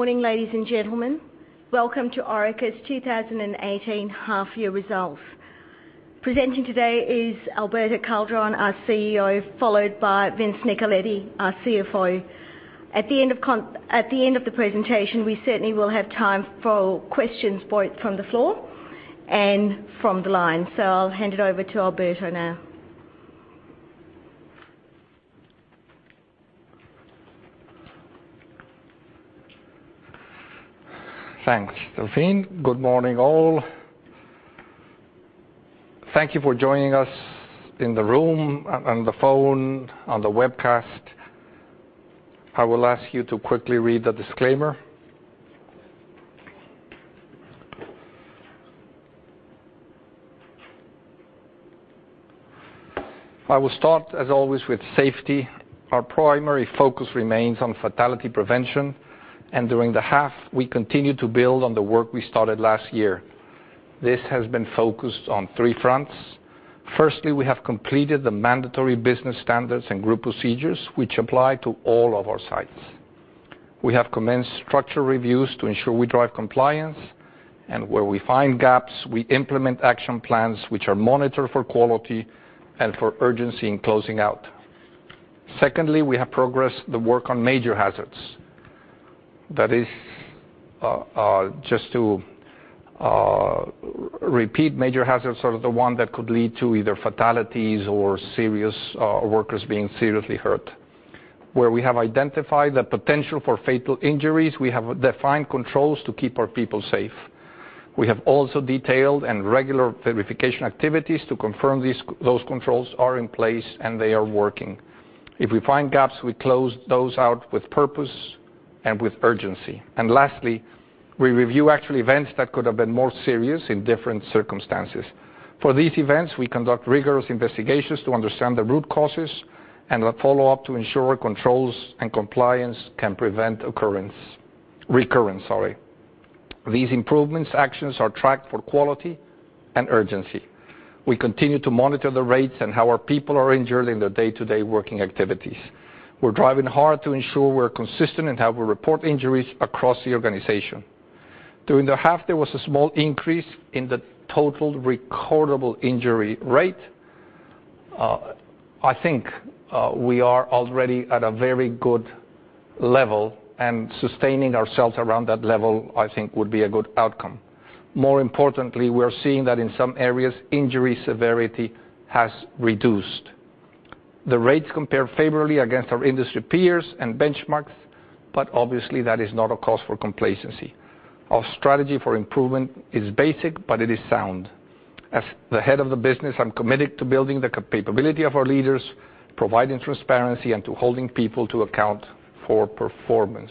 Morning, ladies and gentlemen. Welcome to Orica's 2018 half-year results. Presenting today is Alberto Calderon, our CEO, followed by Vincent Nicoletti, our CFO. At the end of the presentation, we certainly will have time for questions from the floor and from the line. I'll hand it over to Alberto now. Thanks, Delphine. Good morning, all. Thank you for joining us in the room, on the phone, on the webcast. I will ask you to quickly read the disclaimer. I will start, as always, with safety. Our primary focus remains on fatality prevention. During the half, we continued to build on the work we started last year. This has been focused on three fronts. Firstly, we have completed the mandatory business standards and group procedures which apply to all of our sites. We have commenced structural reviews to ensure we drive compliance. Where we find gaps, we implement action plans which are monitored for quality and for urgency in closing out. Secondly, we have progressed the work on major hazards. That is, just to repeat, major hazards are the one that could lead to either fatalities or workers being seriously hurt. Where we have identified the potential for fatal injuries, we have defined controls to keep our people safe. We have also detailed and regular verification activities to confirm those controls are in place and they are working. If we find gaps, we close those out with purpose and with urgency. Lastly, we review actual events that could have been more serious in different circumstances. For these events, we conduct rigorous investigations to understand the root causes. We follow up to ensure controls and compliance can prevent occurrence. Recurrence, sorry. These improvements actions are tracked for quality and urgency. We continue to monitor the rates and how our people are injured in their day-to-day working activities. We're driving hard to ensure we're consistent in how we report injuries across the organization. During the half, there was a small increase in the total recordable injury rate. I think we are already at a very good level. Sustaining ourselves around that level, I think, would be a good outcome. More importantly, we are seeing that in some areas, injury severity has reduced. The rates compare favorably against our industry peers and benchmarks. Obviously, that is not a cause for complacency. Our strategy for improvement is basic. It is sound. As the head of the business, I'm committed to building the capability of our leaders, providing transparency, and to holding people to account for performance.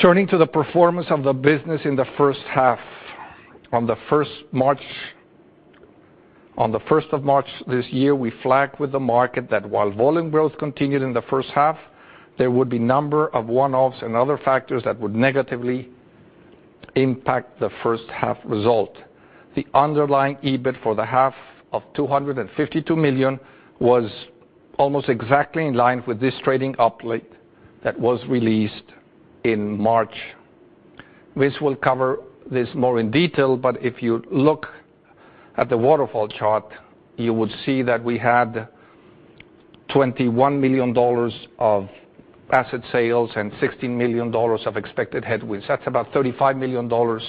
Turning to the performance of the business in the first half. On the 1st of March this year, we flagged with the market that while volume growth continued in the first half, there would be number of one-offs and other factors that would negatively impact the first half result. The underlying EBIT for the half of 252 million was almost exactly in line with this trading update that was released in March, which will cover this more in detail. If you look at the waterfall chart, you would see that we had 21 million dollars of asset sales and 16 million dollars of expected headwinds. That's about 35 million dollars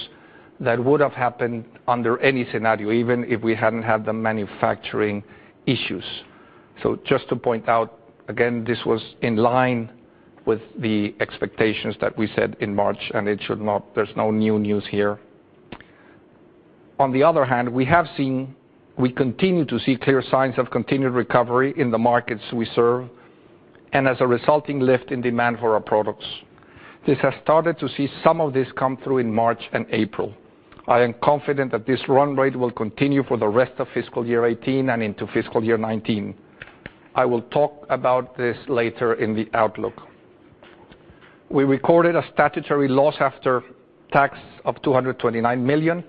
that would have happened under any scenario, even if we hadn't had the manufacturing issues. Just to point out, again, this was in line with the expectations that we set in March, and there's no new news here. On the other hand, we continue to see clear signs of continued recovery in the markets we serve, and as a resulting lift in demand for our products. This has started to see some of this come through in March and April. I am confident that this run rate will continue for the rest of fiscal year 2018 and into fiscal year 2019. I will talk about this later in the outlook. We recorded a statutory loss after tax of 229 million.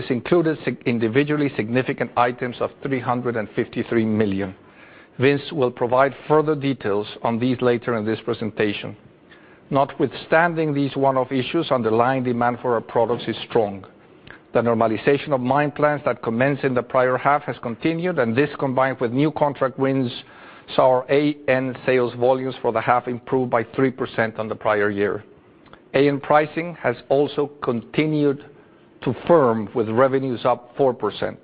This included individually significant items of 353 million. Vince will provide further details on these later in this presentation. Notwithstanding these one-off issues, underlying demand for our products is strong. The normalization of mine plants that commenced in the prior half has continued, and this combined with new contract wins, saw our AN sales volumes for the half improve by 3% on the prior year. AN pricing has also continued to firm, with revenues up 4%.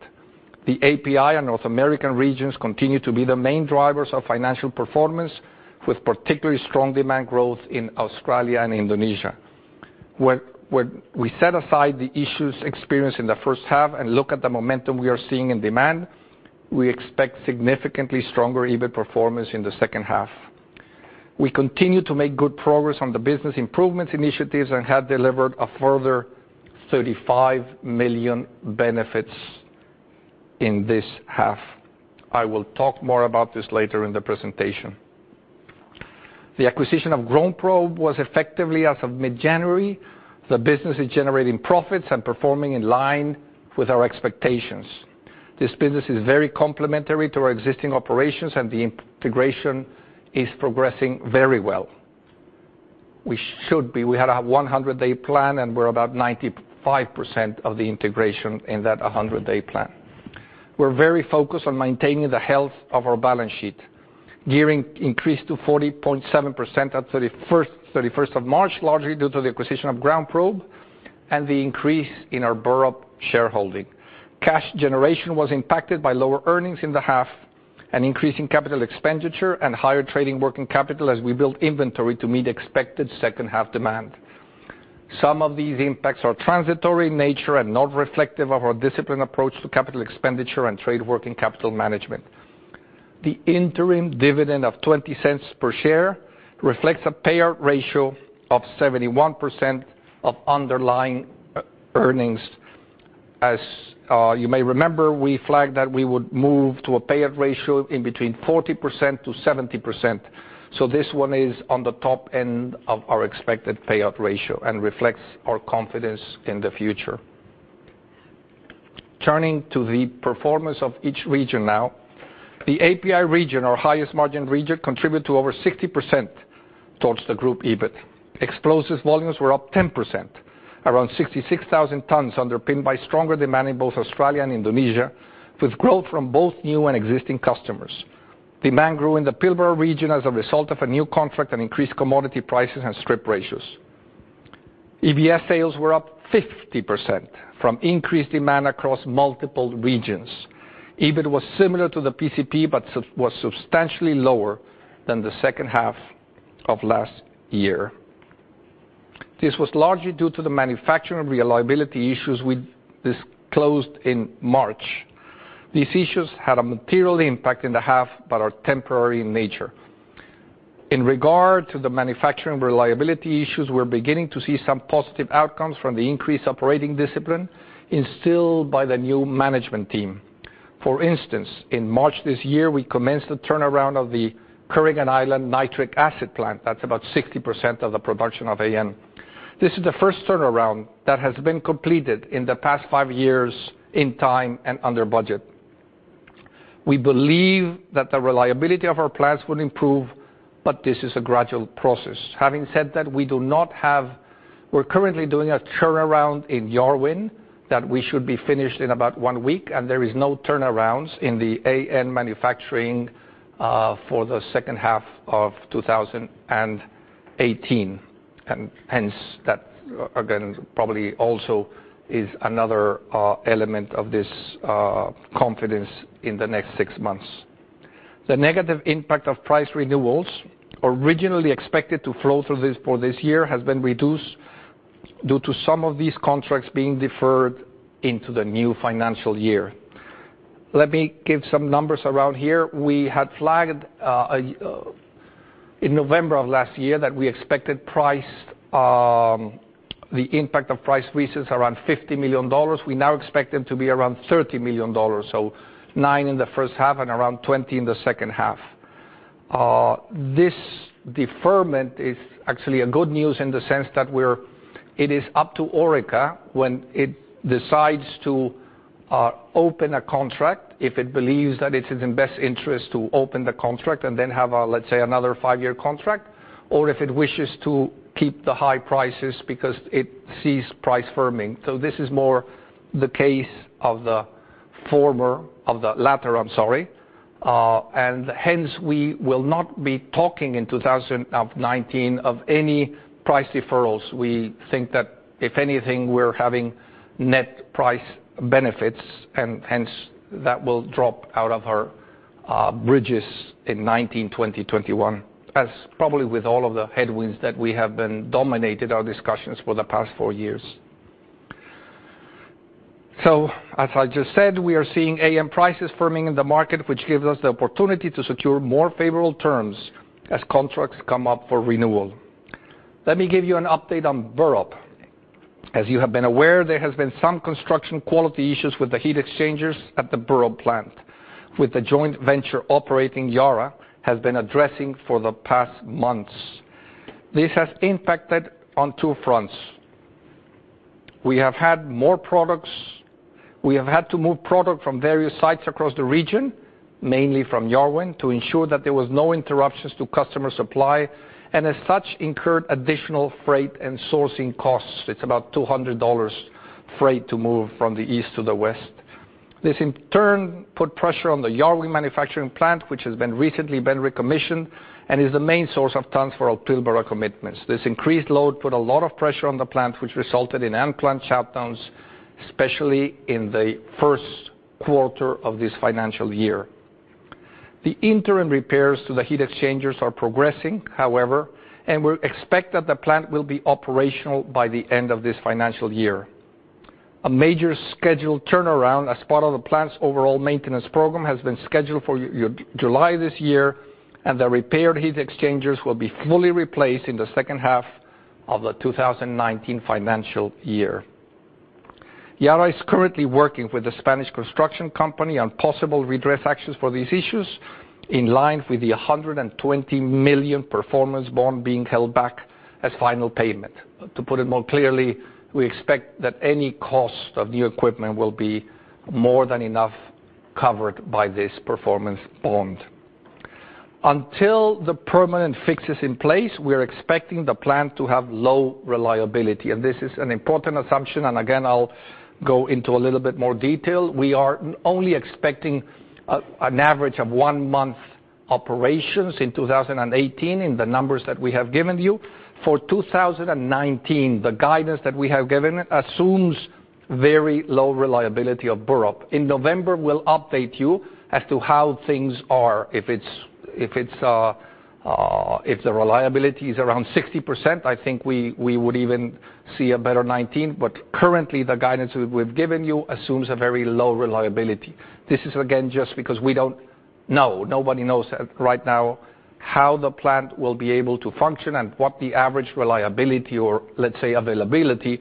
The APA and North American regions continue to be the main drivers of financial performance, with particularly strong demand growth in Australia and Indonesia. When we set aside the issues experienced in the first half and look at the momentum we are seeing in demand, we expect significantly stronger EBIT performance in the second half. We continue to make good progress on the business improvements initiatives and have delivered a further 35 million benefits in this half. I will talk more about this later in the presentation. The acquisition of GroundProbe was effectively as of mid-January. The business is generating profits and performing in line with our expectations. This business is very complementary to our existing operations, and the integration is progressing very well. We had a 100-day plan, and we're about 95% of the integration in that 100-day plan. We're very focused on maintaining the health of our balance sheet. Gearing increased to 40.7% at 31st of March, largely due to the acquisition of GroundProbe and the increase in our Burrup shareholding. Cash generation was impacted by lower earnings in the half and increase in CapEx and higher trading working capital as we built inventory to meet expected second half demand. Some of these impacts are transitory in nature and not reflective of our disciplined approach to CapEx and trade working capital management. The interim dividend of 0.20 per share reflects a payout ratio of 71% of underlying earnings. As you may remember, we flagged that we would move to a payout ratio in between 40%-70%. This one is on the top end of our expected payout ratio and reflects our confidence in the future. Turning to the performance of each region now. The APA region, our highest margin region, contribute to over 60% towards the group EBIT. Explosives volumes were up 10%, around 66,000 tons, underpinned by stronger demand in both Australia and Indonesia, with growth from both new and existing customers. Demand grew in the Pilbara region as a result of a new contract and increased commodity prices and strip ratios. EBS sales were up 50% from increased demand across multiple regions. EBIT was similar to the PCP, but was substantially lower than the second half of last year. This was largely due to the manufacturing reliability issues we disclosed in March. These issues had a material impact in the half, but are temporary in nature. In regard to the manufacturing reliability issues, we're beginning to see some positive outcomes from the increased operating discipline instilled by the new management team. For instance, in March this year, we commenced the turnaround of the Kooragang Island nitric acid plant. That's about 60% of the production of AN. This is the first turnaround that has been completed in the past five years in time and under budget. We believe that the reliability of our plants will improve, but this is a gradual process. Having said that, we're currently doing a turnaround in Yarwun that we should be finished in about one week, and there is no turnarounds in the AN manufacturing for the second half of 2018. Hence, that again, probably also is another element of this confidence in the next six months. The negative impact of price renewals originally expected to flow through for this year has been reduced due to some of these contracts being deferred into the new financial year. Let me give some numbers around here. We had flagged in November of last year that we expected the impact of price increases around 50 million dollars. We now expect them to be around 30 million dollars. Nine in the first half and around 20 in the second half. This deferment is actually a good news in the sense that it is up to Orica when it decides to open a contract, if it believes that it is in best interest to open the contract and then have, let's say, another five-year contract, or if it wishes to keep the high prices because it sees price firming. This is more the case of the latter. Hence, we will not be talking in 2019 of any price deferrals. We think that if anything, we're having net price benefits, and hence that will drop out of our bridges in 2019, 2020, 2021, as probably with all of the headwinds that we have been dominated our discussions for the past four years. As I just said, we are seeing AN prices firming in the market, which gives us the opportunity to secure more favorable terms as contracts come up for renewal. Let me give you an update on Burrup. As you have been aware, there has been some construction quality issues with the heat exchangers at the Burrup plant with the joint venture operating Yara has been addressing for the past months. This has impacted on two fronts. We have had to move product from various sites across the region, mainly from Yarwun, to ensure that there was no interruptions to customer supply, as such, incurred additional freight and sourcing costs. It's about 200 dollars freight to move from the east to the west. This in turn put pressure on the Yarwun manufacturing plant, which has recently been recommissioned and is the main source of tons for our Pilbara commitments. This increased load put a lot of pressure on the plant, which resulted in unplanned shutdowns, especially in the first quarter of this financial year. The interim repairs to the heat exchangers are progressing, however, we expect that the plant will be operational by the end of this financial year. A major scheduled turnaround as part of the plant's overall maintenance program has been scheduled for July this year, and the repaired heat exchangers will be fully replaced in the second half of the 2019 financial year. Yara is currently working with the Spanish construction company on possible redress actions for these issues in line with the 120 million performance bond being held back as final payment. To put it more clearly, we expect that any cost of new equipment will be more than enough covered by this performance bond. Until the permanent fix is in place, we are expecting the plant to have low reliability. This is an important assumption, again, I'll go into a little bit more detail. We are only expecting an average of one month operations in 2018 in the numbers that we have given you. For 2019, the guidance that we have given assumes very low reliability of Burrup. In November, we'll update you as to how things are. If the reliability is around 60%, I think we would even see a better 2019, but currently the guidance we've given you assumes a very low reliability. This is again just because we don't know. Nobody knows right now how the plant will be able to function and what the average reliability, or let's say availability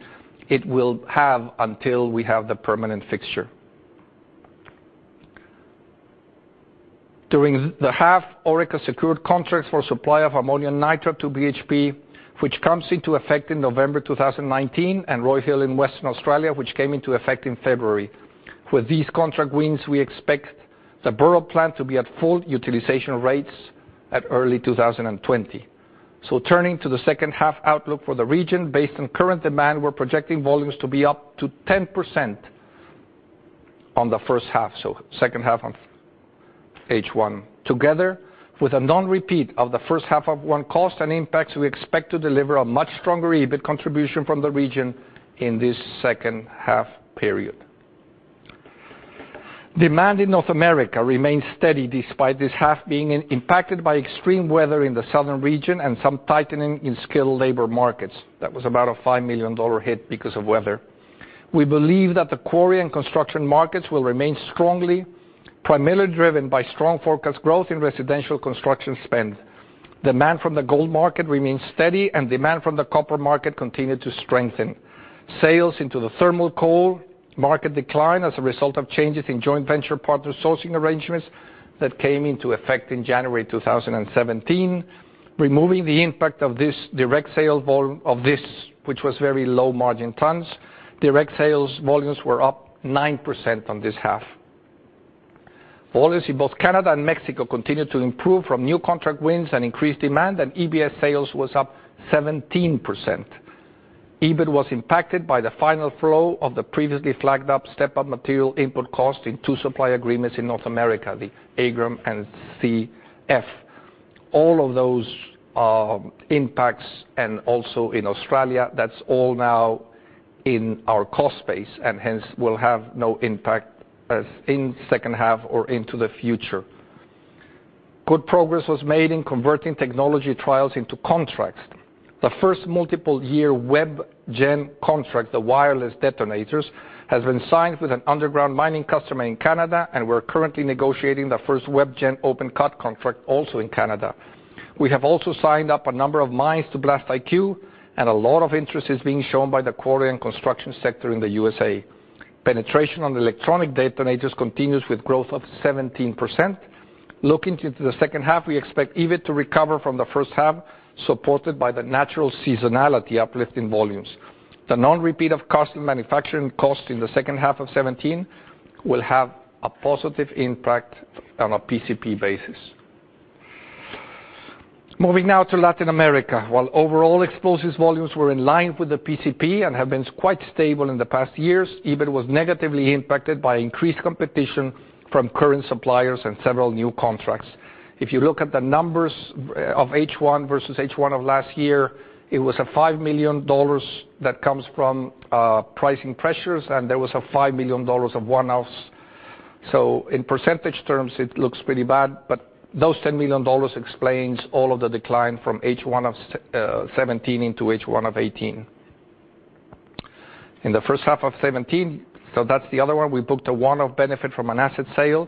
it will have until we have the permanent fixture. During the half, Orica secured contracts for supply of ammonium nitrate to BHP, which comes into effect in November 2019, and Roy Hill in Western Australia, which came into effect in February. With these contract wins, we expect the Burrup plant to be at full utilization rates at early 2020. Turning to the second half outlook for the region, based on current demand, we're projecting volumes to be up to 10% on the first half, so second half on H1. Together with a non-repeat of the first half of one cost and impacts, we expect to deliver a much stronger EBIT contribution from the region in this second half period. Demand in North America remains steady despite this half being impacted by extreme weather in the southern region and some tightening in skilled labor markets. That was about a 5 million dollar hit because of weather. We believe that the quarry and construction markets will remain strong, primarily driven by strong forecast growth in residential construction spend. Demand from the gold market remains steady and demand from the copper market continued to strengthen. Sales into the thermal coal market declined as a result of changes in joint venture partner sourcing arrangements that came into effect in January 2017. Removing the impact of this, which was very low margin tons, direct sales volumes were up 9% on this half. Volumes in both Canada and Mexico continued to improve from new contract wins and increased demand. EBS sales was up 17%. EBIT was impacted by the final flow of the previously flagged up step-up material input cost in two supply agreements in North America, the Agrium and CF. All of those impacts and also in Australia, that is all now in our cost base, and hence will have no impact as in second half or into the future. Good progress was made in converting technology trials into contracts. The first multiple year WebGen contract, the wireless detonators, has been signed with an underground mining customer in Canada. We are currently negotiating the first WebGen open cut contract also in Canada. We have also signed up a number of mines to BlastIQ, and a lot of interest is being shown by the quarry and construction sector in the U.S.A. Penetration on the electronic detonators continues with growth of 17%. Looking into the second half, we expect EBIT to recover from the first half, supported by the natural seasonality uplift in volumes. The non-repeat of cost and manufacturing cost in the second half of 2017 will have a positive impact on a PCP basis. Moving now to Latin America. While overall explosives volumes were in line with the PCP and have been quite stable in the past years, EBIT was negatively impacted by increased competition from current suppliers and several new contracts. If you look at the numbers of H1 versus H1 of last year, it was an 5 million dollars that comes from pricing pressures. There was an 5 million dollars of one-offs. In percentage terms it looks pretty bad, but those 10 million dollars explains all of the decline from H1 of 2017 into H1 of 2018. In the first half of 2017, so that is the other one, we booked a one-off benefit from an asset sale,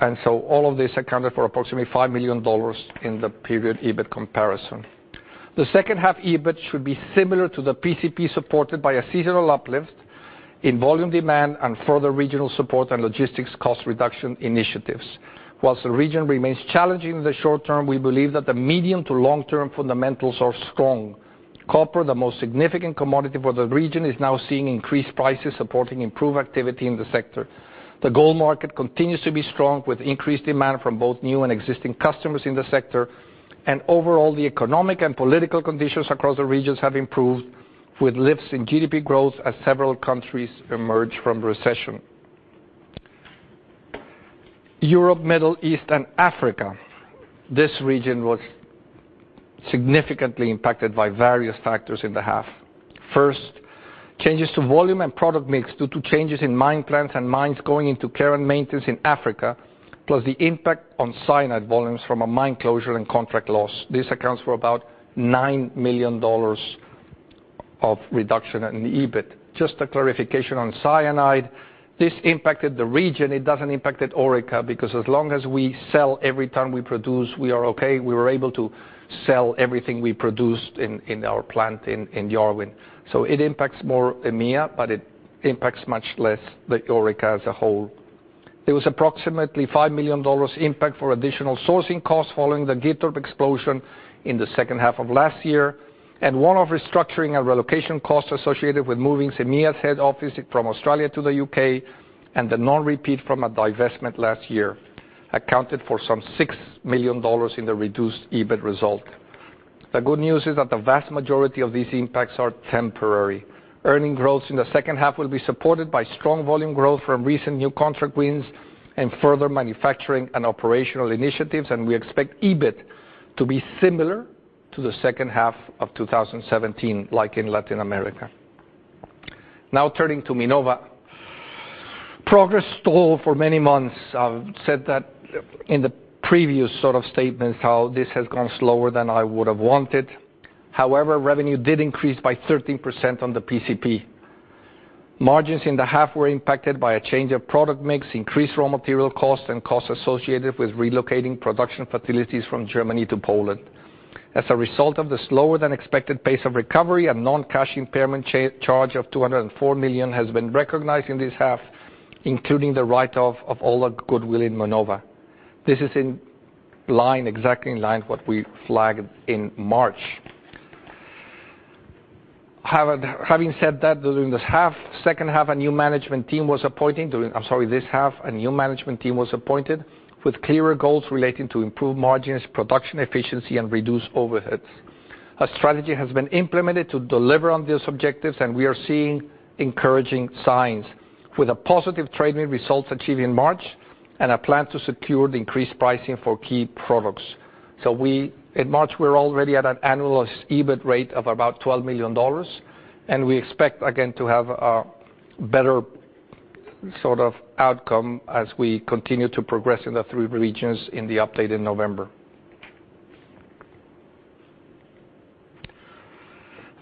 and so all of this accounted for approximately 5 million dollars in the period EBIT comparison. The second half EBIT should be similar to the PCP supported by a seasonal uplift in volume demand and further regional support and logistics cost reduction initiatives. Whilst the region remains challenging in the short term, we believe that the medium to long-term fundamentals are strong. Copper, the most significant commodity for the region, is now seeing increased prices supporting improved activity in the sector. The gold market continues to be strong with increased demand from both new and existing customers in the sector. Overall, the economic and political conditions across the regions have improved with lifts in GDP growth as several countries emerge from recession. Europe, Middle East, and Africa. This region was significantly impacted by various factors in the half. First, changes to volume and product mix due to changes in mine plans and mines going into care and maintenance in Africa, plus the impact on cyanide volumes from a mine closure and contract loss. This accounts for about 9 million dollars of reduction in the EBIT. Just a clarification on cyanide. This impacted the region. It doesn't impact at Orica because as long as we sell every ton we produce, we are okay. We were able to sell everything we produced in our plant in Yarwun. It impacts more EMEA, but it impacts much less Orica as a whole. There was approximately 5 million dollars impact for additional sourcing costs following the Geita explosion in the second half of last year. One-off restructuring and relocation costs associated with moving EMEA's head office from Australia to the U.K., and the non-repeat from a divestment last year accounted for some 6 million dollars in the reduced EBIT result. The good news is that the vast majority of these impacts are temporary. Earning growths in the second half will be supported by strong volume growth from recent new contract wins and further manufacturing and operational initiatives. We expect EBIT to be similar to the second half of 2017, like in Latin America. Now turning to Minova. Progress stalled for many months. I've said that in the previous sort of statements, how this has gone slower than I would have wanted. However, revenue did increase by 13% on the PCP. Margins in the half were impacted by a change of product mix, increased raw material costs, and costs associated with relocating production facilities from Germany to Poland. As a result of the slower than expected pace of recovery, a non-cash impairment charge of 204 million has been recognized in this half, including the write-off of all the goodwill in Minova. This is exactly in line what we flagged in March. Having said that, during this half, a new management team was appointed with clearer goals relating to improved margins, production efficiency and reduced overheads. A strategy has been implemented to deliver on these objectives. We are seeing encouraging signs with a positive trading result achieved in March and a plan to secure the increased pricing for key products. In March, we're already at an annualized EBIT rate of about 12 million dollars. We expect again to have a better sort of outcome as we continue to progress in the three regions in the update in November.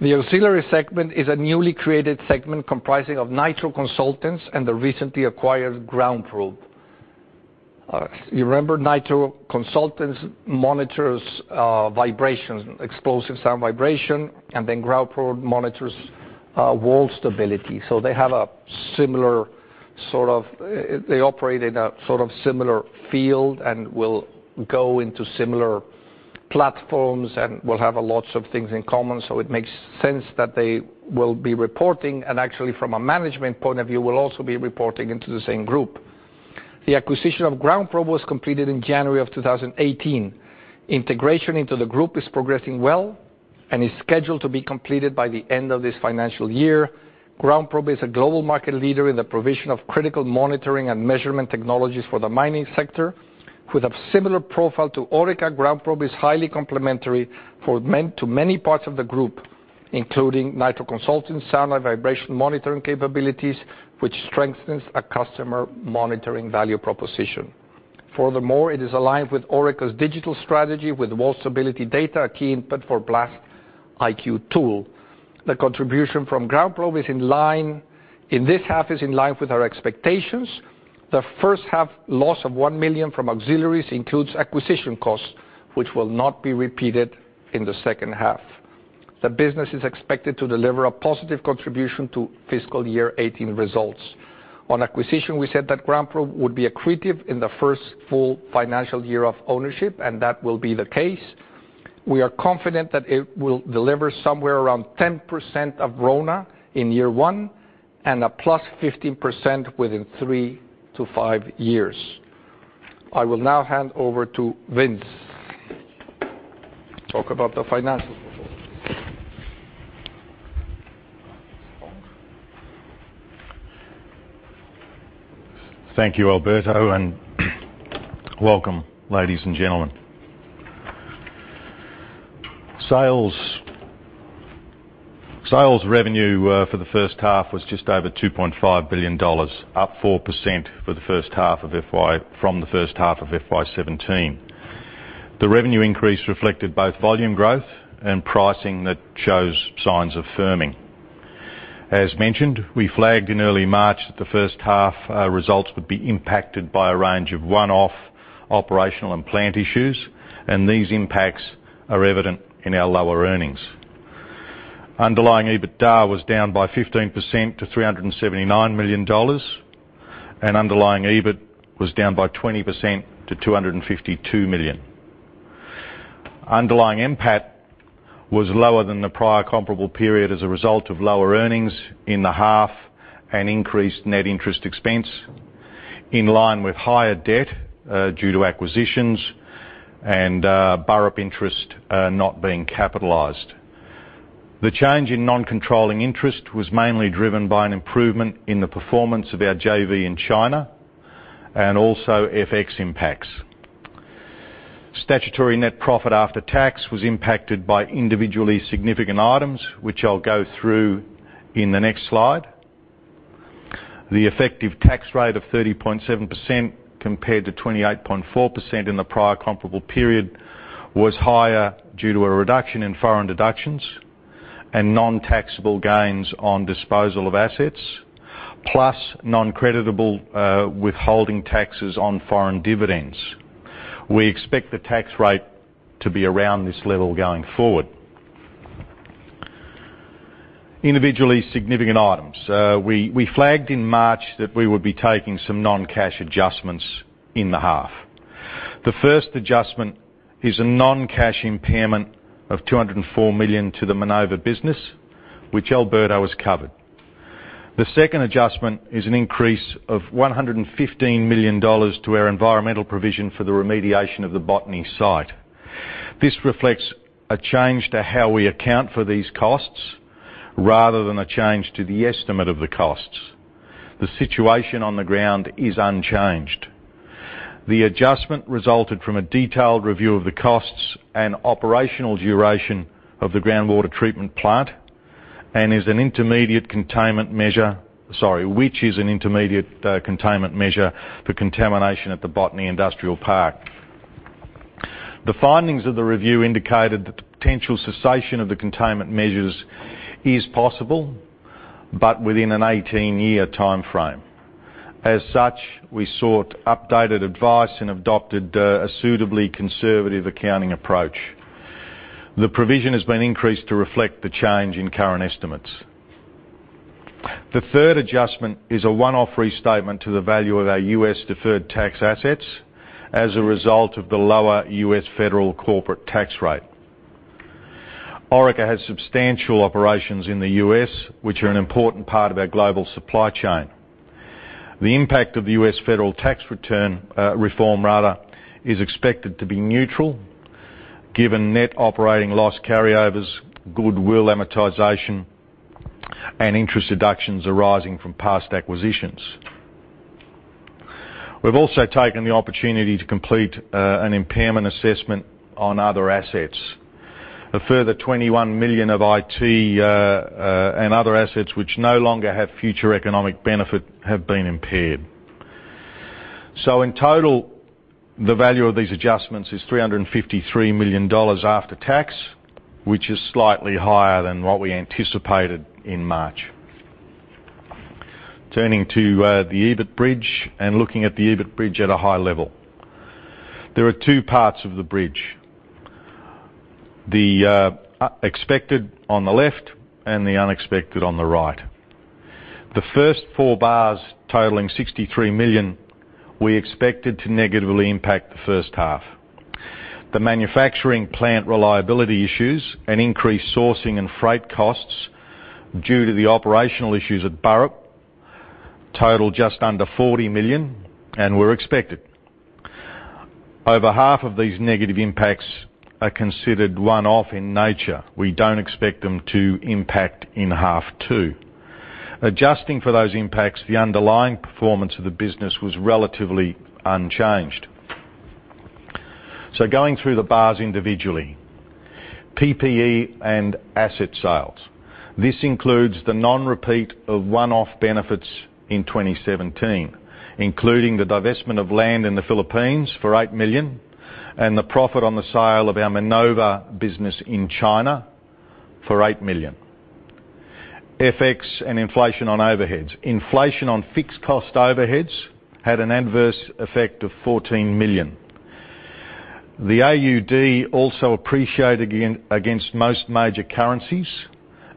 The auxiliary segment is a newly created segment comprising of Nitro Consult and the recently acquired GroundProbe. You remember Nitro Consult monitors vibrations, explosive sound vibration. GroundProbe monitors wall stability. They operate in a sort of similar field and will go into similar platforms and will have a lot of things in common. It makes sense that they will be reporting and actually from a management point of view will also be reporting into the same group. The acquisition of GroundProbe was completed in January of 2018. Integration into the group is progressing well and is scheduled to be completed by the end of this financial year. GroundProbe is a global market leader in the provision of critical monitoring and measurement technologies for the mining sector. With a similar profile to Orica, GroundProbe is highly complementary to many parts of the group, including Nitro Consult, sound and vibration monitoring capabilities, which strengthens a customer monitoring value proposition. Furthermore, it is aligned with Orica's digital strategy with wall stability data, a key input for BlastIQ tool. The contribution from GroundProbe in this half is in line with our expectations. The first half loss of 1 million from auxiliaries includes acquisition costs, which will not be repeated in the second half. The business is expected to deliver a positive contribution to fiscal year 2018 results. On acquisition, we said that GroundProbe would be accretive in the first full financial year of ownership, and that will be the case. We are confident that it will deliver somewhere around 10% of RONA in year one and a +15% within three to five years. I will now hand over to Vince to talk about the financials. Thank you, Alberto, and welcome, ladies and gentlemen. Sales revenue for the first half was just over 2.5 billion dollars, up 4% from the first half of FY 2017. The revenue increase reflected both volume growth and pricing that shows signs of firming. As mentioned, we flagged in early March that the first half results would be impacted by a range of one-off operational and plant issues, and these impacts are evident in our lower earnings. Underlying EBITDA was down by 15% to 379 million dollars, and underlying EBIT was down by 20% to 252 million. Underlying NPAT was lower than the prior comparable period as a result of lower earnings in the half and increased net interest expense in line with higher debt due to acquisitions and borrow interest not being capitalized. The change in non-controlling interest was mainly driven by an improvement in the performance of our JV in China and also FX impacts. Statutory net profit after tax was impacted by individually significant items, which I'll go through in the next slide. The effective tax rate of 30.7% compared to 28.4% in the prior comparable period was higher due to a reduction in foreign deductions and non-taxable gains on disposal of assets, plus non-creditable withholding taxes on foreign dividends. We expect the tax rate to be around this level going forward. Individually significant items. We flagged in March that we would be taking some non-cash adjustments in the half. The first adjustment is a non-cash impairment of 204 million to the Minova business, which Alberto has covered. The second adjustment is an increase of 115 million dollars to our environmental provision for the remediation of the Botany site. This reflects a change to how we account for these costs rather than a change to the estimate of the costs. The situation on the ground is unchanged. The adjustment resulted from a detailed review of the costs and operational duration of the groundwater treatment plant, and is an intermediate containment measure, which is an intermediate containment measure for contamination at the Botany Industrial Park. The findings of the review indicated the potential cessation of the containment measures is possible, but within an 18-year timeframe. We sought updated advice and adopted a suitably conservative accounting approach. The provision has been increased to reflect the change in current estimates. The third adjustment is a one-off restatement to the value of our U.S. deferred tax assets as a result of the lower U.S. federal corporate tax rate. Orica has substantial operations in the U.S., which are an important part of our global supply chain. The impact of the U.S. federal tax return, reform rather, is expected to be neutral given net operating loss carryovers, goodwill amortization, and interest deductions arising from past acquisitions. We've also taken the opportunity to complete an impairment assessment on other assets. A further 21 million of IT, and other assets which no longer have future economic benefit have been impaired. In total, the value of these adjustments is 353 million dollars after tax, which is slightly higher than what we anticipated in March. Turning to the EBIT bridge and looking at the EBIT bridge at a high level. There are two parts of the bridge, the expected on the left and the unexpected on the right. The first four bars totaling 63 million we expected to negatively impact the first half. The manufacturing plant reliability issues and increased sourcing and freight costs due to the operational issues at Burrup total just under 40 million and were expected. Over half of these negative impacts are considered one-off in nature. We don't expect them to impact in half 2. Adjusting for those impacts, the underlying performance of the business was relatively unchanged. Going through the bars individually. PPE and asset sales. This includes the non-repeat of one-off benefits in 2017, including the divestment of land in the Philippines for 8 million and the profit on the sale of our Minova business in China for 8 million. FX and inflation on overheads. Inflation on fixed cost overheads had an adverse effect of 14 million. The AUD also appreciated against most major currencies,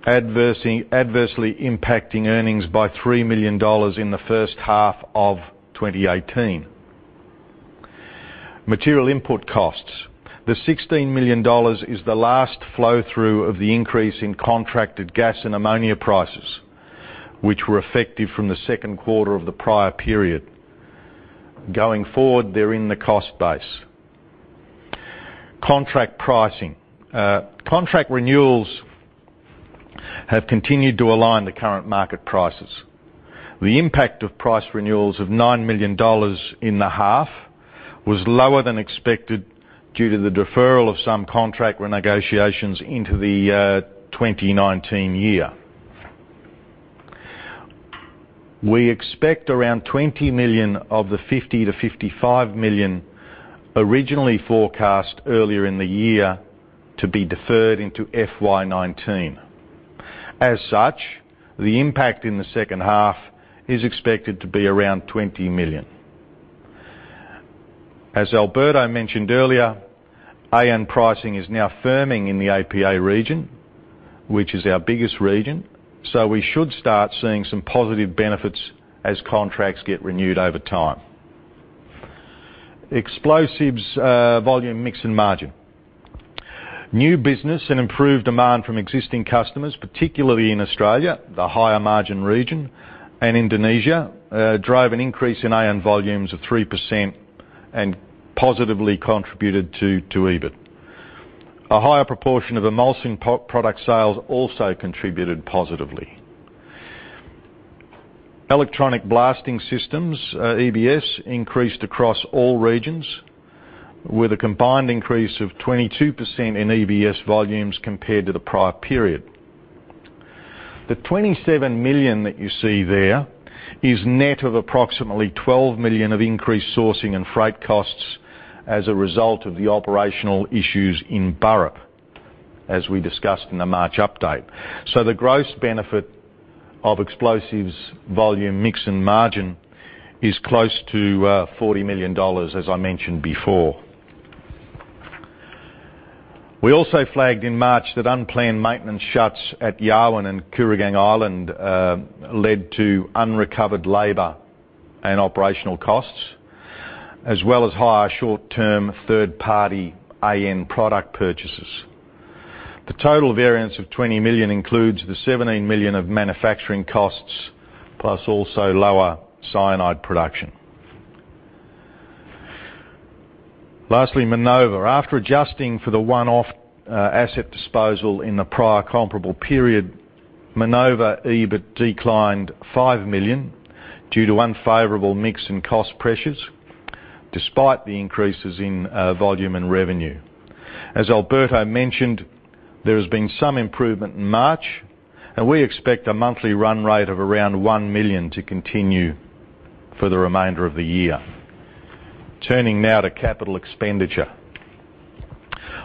adversely impacting earnings by 3 million dollars in the first half of 2018. Material input costs. The 16 million dollars is the last flow-through of the increase in contracted gas and ammonia prices, which were effective from the second quarter of the prior period. Going forward, they're in the cost base. Contract pricing. Contract renewals have continued to align to current market prices. The impact of price renewals of 9 million dollars in the half was lower than expected due to the deferral of some contract renegotiations into the 2019 year. We expect around 20 million of the 50 million-55 million originally forecast earlier in the year to be deferred into FY 2019. The impact in the second half is expected to be around 20 million. As Alberto mentioned earlier, AN pricing is now firming in the APA region, which is our biggest region, we should start seeing some positive benefits as contracts get renewed over time. Explosives volume, mix, and margin. New business and improved demand from existing customers, particularly in Australia, the higher margin region, and Indonesia, drove an increase in AN volumes of 3% and positively contributed to EBIT. A higher proportion of emulsing product sales also contributed positively. Electronic blasting systems, EBS, increased across all regions with a combined increase of 22% in EBS volumes compared to the prior period. The 27 million that you see there is net of approximately 12 million of increased sourcing and freight costs as a result of the operational issues in Burrup, as we discussed in the March update. The gross benefit of explosives volume, mix, and margin is close to AUD 40 million, as I mentioned before. We also flagged in March that unplanned maintenance shuts at Yarwun and Kooragang Island led to unrecovered labor and operational costs, as well as higher short-term third-party AN product purchases. The total variance of 20 million includes the 17 million of manufacturing costs, plus also lower cyanide production. Lastly, Minova. After adjusting for the one-off asset disposal in the prior comparable period, Minova EBIT declined 5 million due to unfavorable mix and cost pressures, despite the increases in volume and revenue. As Alberto mentioned, there has been some improvement in March, and we expect a monthly run rate of around 1 million to continue for the remainder of the year. Turning now to capital expenditure.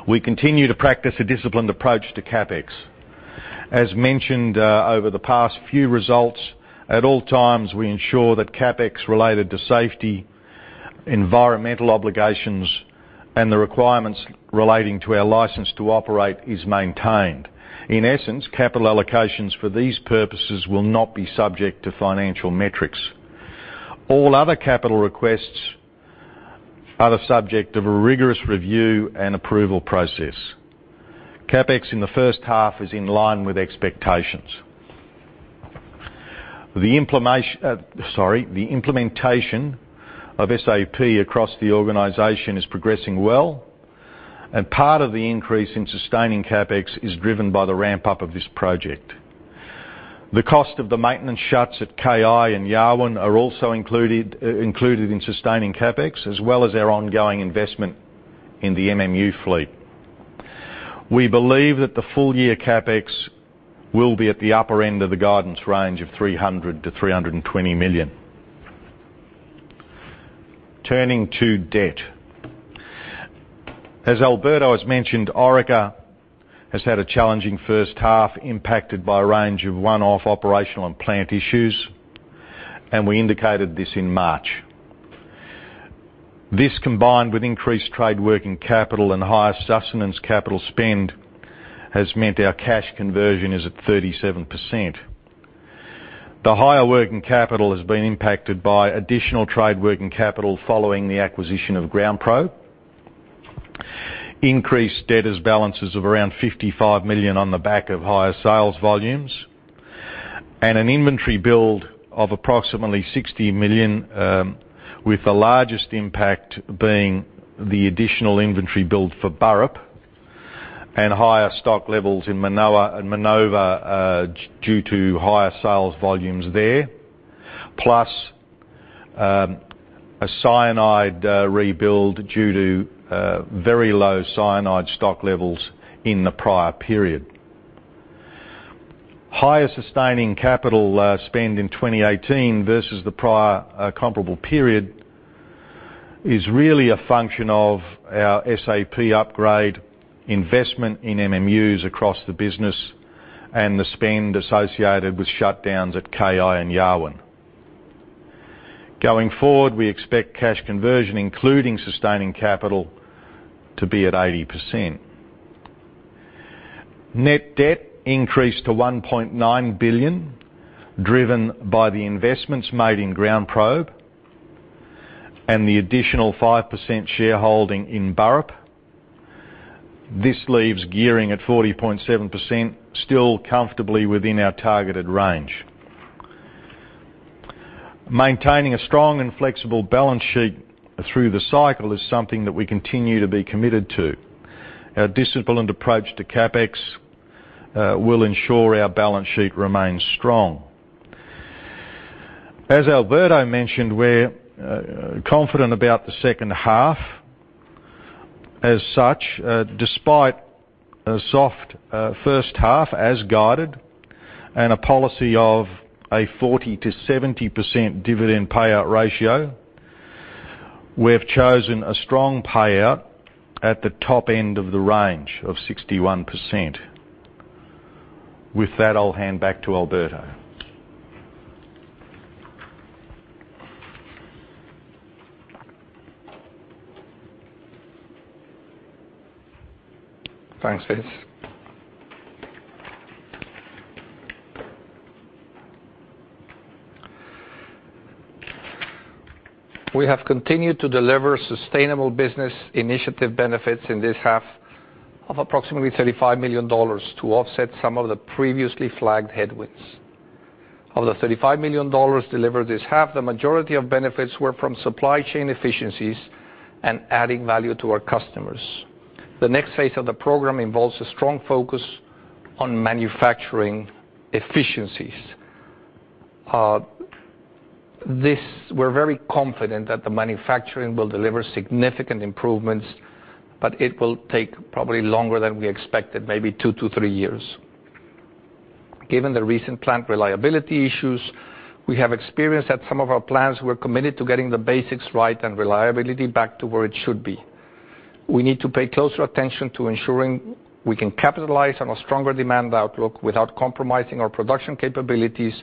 We continue to practice a disciplined approach to CapEx. As mentioned over the past few results, at all times, we ensure that CapEx related to safety, environmental obligations, and the requirements relating to our license to operate is maintained. In essence, capital allocations for these purposes will not be subject to financial metrics. All other capital requests are the subject of a rigorous review and approval process. CapEx in the first half is in line with expectations. The implementation of SAP across the organization is progressing well. Part of the increase in sustaining CapEx is driven by the ramp-up of this project. The cost of the maintenance shuts at KI and Yarwun are also included in sustaining CapEx, as well as our ongoing investment in the MMU fleet. We believe that the full-year CapEx will be at the upper end of the guidance range of 300 million-320 million. Turning to debt. As Alberto has mentioned, Orica has had a challenging first half impacted by a range of one-off operational and plant issues, and we indicated this in March. This combined with increased trade working capital and higher sustenance capital spend has meant our cash conversion is at 37%. The higher working capital has been impacted by additional trade working capital following the acquisition of GroundProbe, increased debtors balances of around 55 million on the back of higher sales volumes, and an inventory build of approximately 60 million, with the largest impact being the additional inventory build for Burrup and higher stock levels in Minova due to higher sales volumes there, plus a cyanide rebuild due to very low cyanide stock levels in the prior period. Higher sustaining capital spend in 2018 versus the prior comparable period is really a function of our SAP upgrade investment in MMUs across the business and the spend associated with shutdowns at KI and Yarwun. Going forward, we expect cash conversion, including sustaining capital, to be at 80%. Net debt increased to 1.9 billion, driven by the investments made in GroundProbe and the additional 5% shareholding in Burrup. This leaves gearing at 40.7%, still comfortably within our targeted range. Maintaining a strong and flexible balance sheet through the cycle is something that we continue to be committed to. Our disciplined approach to CapEx will ensure our balance sheet remains strong. As Alberto mentioned, we are confident about the second half. As such, despite a soft first half as guided and a policy of a 40%-70% dividend payout ratio, we have chosen a strong payout at the top end of the range of 61%. With that, I will hand back to Alberto. Thanks, Vince. We have continued to deliver sustainable business initiative benefits in this half of approximately 35 million dollars to offset some of the previously flagged headwinds. Of the 35 million dollars delivered this half, the majority of benefits were from supply chain efficiencies and adding value to our customers. The next phase of the program involves a strong focus on manufacturing efficiencies. We are very confident that the manufacturing will deliver significant improvements, but it will take probably longer than we expected, maybe two to three years. Given the recent plant reliability issues we have experienced at some of our plants, we are committed to getting the basics right and reliability back to where it should be. We need to pay closer attention to ensuring we can capitalize on a stronger demand outlook without compromising our production capabilities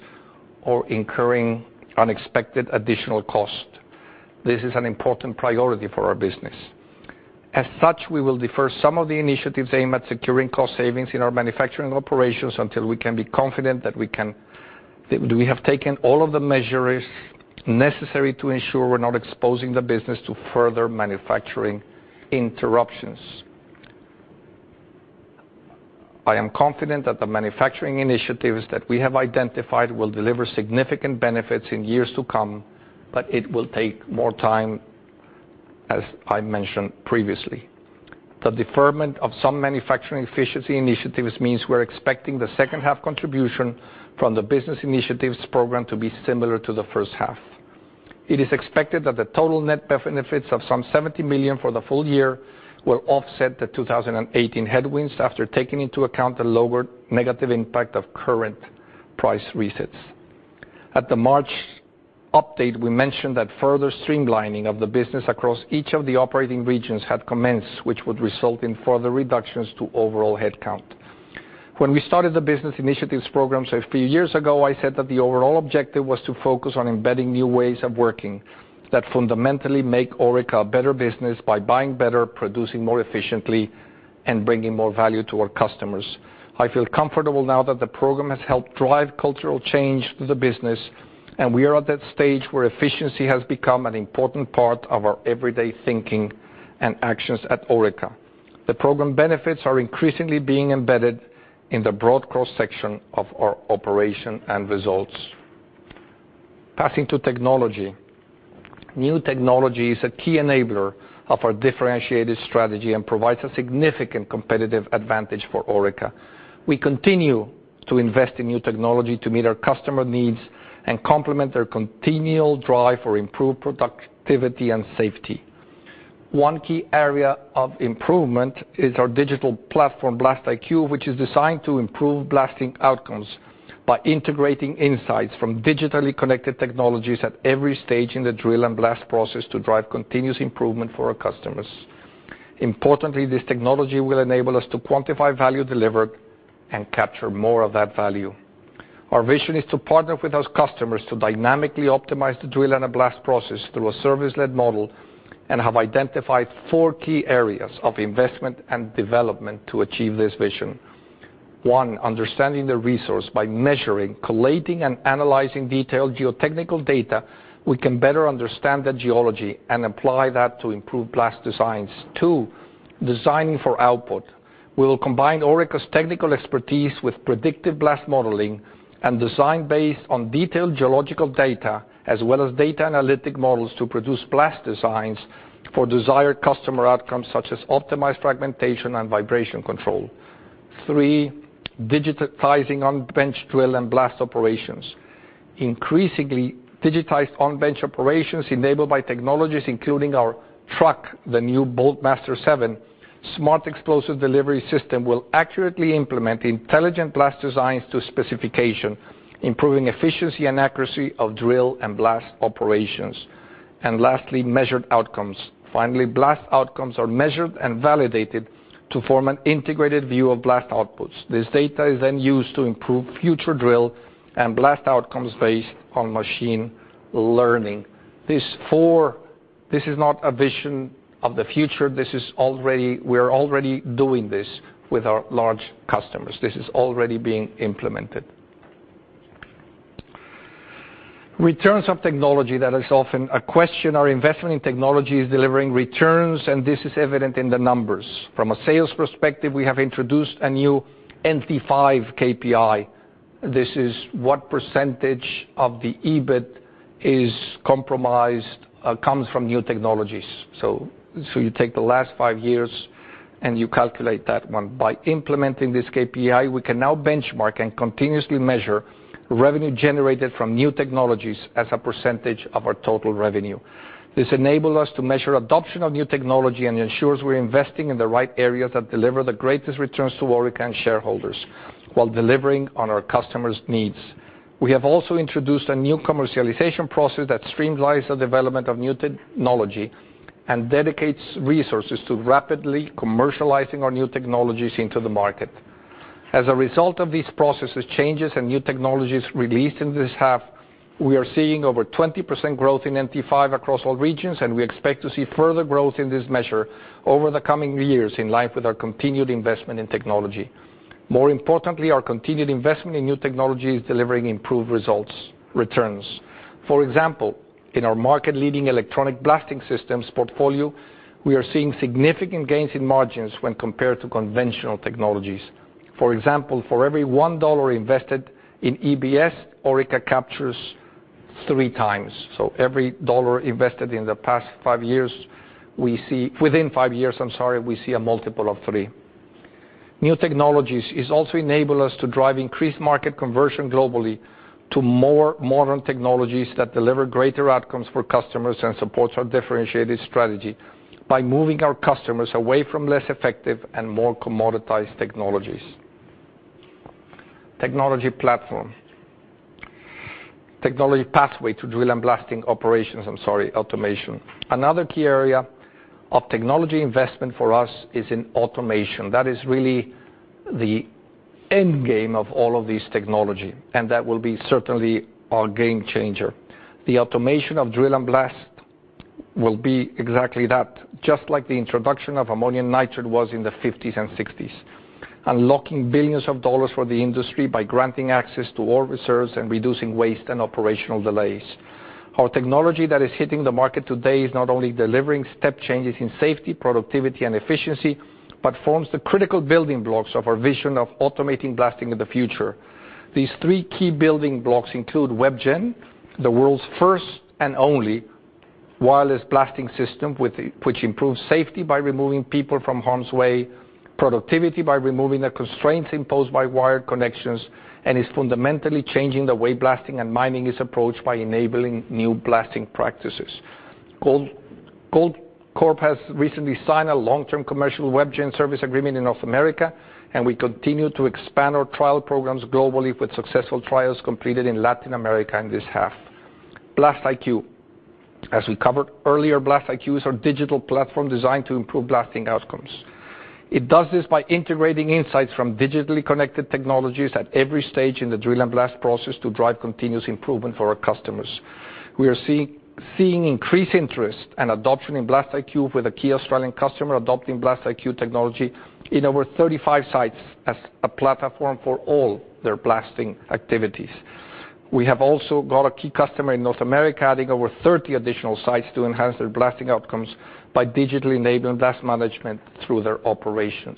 or incurring unexpected additional cost. This is an important priority for our business. We will defer some of the initiatives aimed at securing cost savings in our manufacturing operations until we can be confident that we have taken all of the measures necessary to ensure we are not exposing the business to further manufacturing interruptions. I am confident that the manufacturing initiatives that we have identified will deliver significant benefits in years to come, but it will take more time, as I mentioned previously. The deferment of some manufacturing efficiency initiatives means we are expecting the second half contribution from the business initiatives program to be similar to the first half. It is expected that the total net benefits of some 70 million for the full year will offset the 2018 headwinds after taking into account the lower negative impact of current price resets. At the March update, we mentioned that further streamlining of the business across each of the operating regions had commenced, which would result in further reductions to overall headcount. When we started the business initiatives program a few years ago, I said that the overall objective was to focus on embedding new ways of working that fundamentally make Orica a better business by buying better, producing more efficiently, and bringing more value to our customers. I feel comfortable now that the program has helped drive cultural change to the business, and we are at that stage where efficiency has become an important part of our everyday thinking and actions at Orica. The program benefits are increasingly being embedded in the broad cross-section of our operation and results. Passing to technology. New technology is a key enabler of our differentiated strategy and provides a significant competitive advantage for Orica. We continue to invest in new technology to meet our customer needs and complement their continual drive for improved productivity and safety. One key area of improvement is our digital platform, BlastIQ, which is designed to improve blasting outcomes by integrating insights from digitally connected technologies at every stage in the drill and blast process to drive continuous improvement for our customers. Importantly, this technology will enable us to quantify value delivered and capture more of that value. Our vision is to partner with those customers to dynamically optimize the drill and a blast process through a service-led model and have identified four key areas of investment and development to achieve this vision. One, understanding the resource by measuring, collating, and analyzing detailed geotechnical data, we can better understand the geology and apply that to improve blast designs. Two, designing for output. We will combine Orica's technical expertise with predictive blast modeling and design based on detailed geological data as well as data analytic models to produce blast designs for desired customer outcomes such as optimized fragmentation and vibration control. Three, digitizing on-bench drill and blast operations. Increasingly digitized on-bench operations enabled by technologies including our truck, the new Bulkmaster 7 smart explosive delivery system will accurately implement intelligent blast designs to specification, improving efficiency and accuracy of drill and blast operations. Lastly, measured outcomes. Finally, blast outcomes are measured and validated to form an integrated view of blast outputs. This data is then used to improve future drill and blast outcomes based on machine learning. This is not a vision of the future. We are already doing this with our large customers. This is already being implemented. Returns of technology. That is often a question. Our investment in technology is delivering returns, and this is evident in the numbers. From a sales perspective, we have introduced a new NT5 KPI. This is what percentage of the EBIT comes from new technologies. So you take the last five years and you calculate that one. By implementing this KPI, we can now benchmark and continuously measure revenue generated from new technologies as a percentage of our total revenue. This enable us to measure adoption of new technology and ensures we're investing in the right areas that deliver the greatest returns to Orica and shareholders while delivering on our customers' needs. We have also introduced a new commercialization process that streamlines the development of new technology and dedicates resources to rapidly commercializing our new technologies into the market. As a result of these processes, changes, and new technologies released in this half, we are seeing over 20% growth in NT5 across all regions, and we expect to see further growth in this measure over the coming years in line with our continued investment in technology. More importantly, our continued investment in new technology is delivering improved results returns. For example, in our market leading electronic blasting systems portfolio, we are seeing significant gains in margins when compared to conventional technologies. For example, for every 1 dollar invested in EBS, Orica captures three times. So every AUD 1 invested within five years, we see a multiple of three. New technologies is also enable us to drive increased market conversion globally to more modern technologies that deliver greater outcomes for customers and supports our differentiated strategy by moving our customers away from less effective and more commoditized technologies. Technology platform. Technology pathway to drill and blasting operations, I'm sorry, automation. Another key area of technology investment for us is in automation. That is really the end game of all of these technology, and that will be certainly our game changer. The automation of drill and blast will be exactly that, just like the introduction of ammonium nitrate was in the '50s and '60s. Unlocking billions of AUD for the industry by granting access to ore reserves and reducing waste and operational delays. Our technology that is hitting the market today is not only delivering step changes in safety, productivity, and efficiency, but forms the critical building blocks of our vision of automating blasting in the future. These three key building blocks include WebGen, the world's first and only wireless blasting system which improves safety by removing people from harm's way, productivity by removing the constraints imposed by wired connections, and is fundamentally changing the way blasting and mining is approached by enabling new blasting practices. Goldcorp has recently signed a long-term commercial WebGen service agreement in North America, and we continue to expand our trial programs globally with successful trials completed in Latin America in this half. BlastIQ. As we covered earlier, BlastIQ is our digital platform designed to improve blasting outcomes. It does this by integrating insights from digitally connected technologies at every stage in the drill and blast process to drive continuous improvement for our customers. We are seeing increased interest and adoption in BlastIQ with a key Australian customer adopting BlastIQ technology in over 35 sites as a platform for all their blasting activities. We have also got a key customer in North America adding over 30 additional sites to enhance their blasting outcomes by digitally enabling blast management through their operations.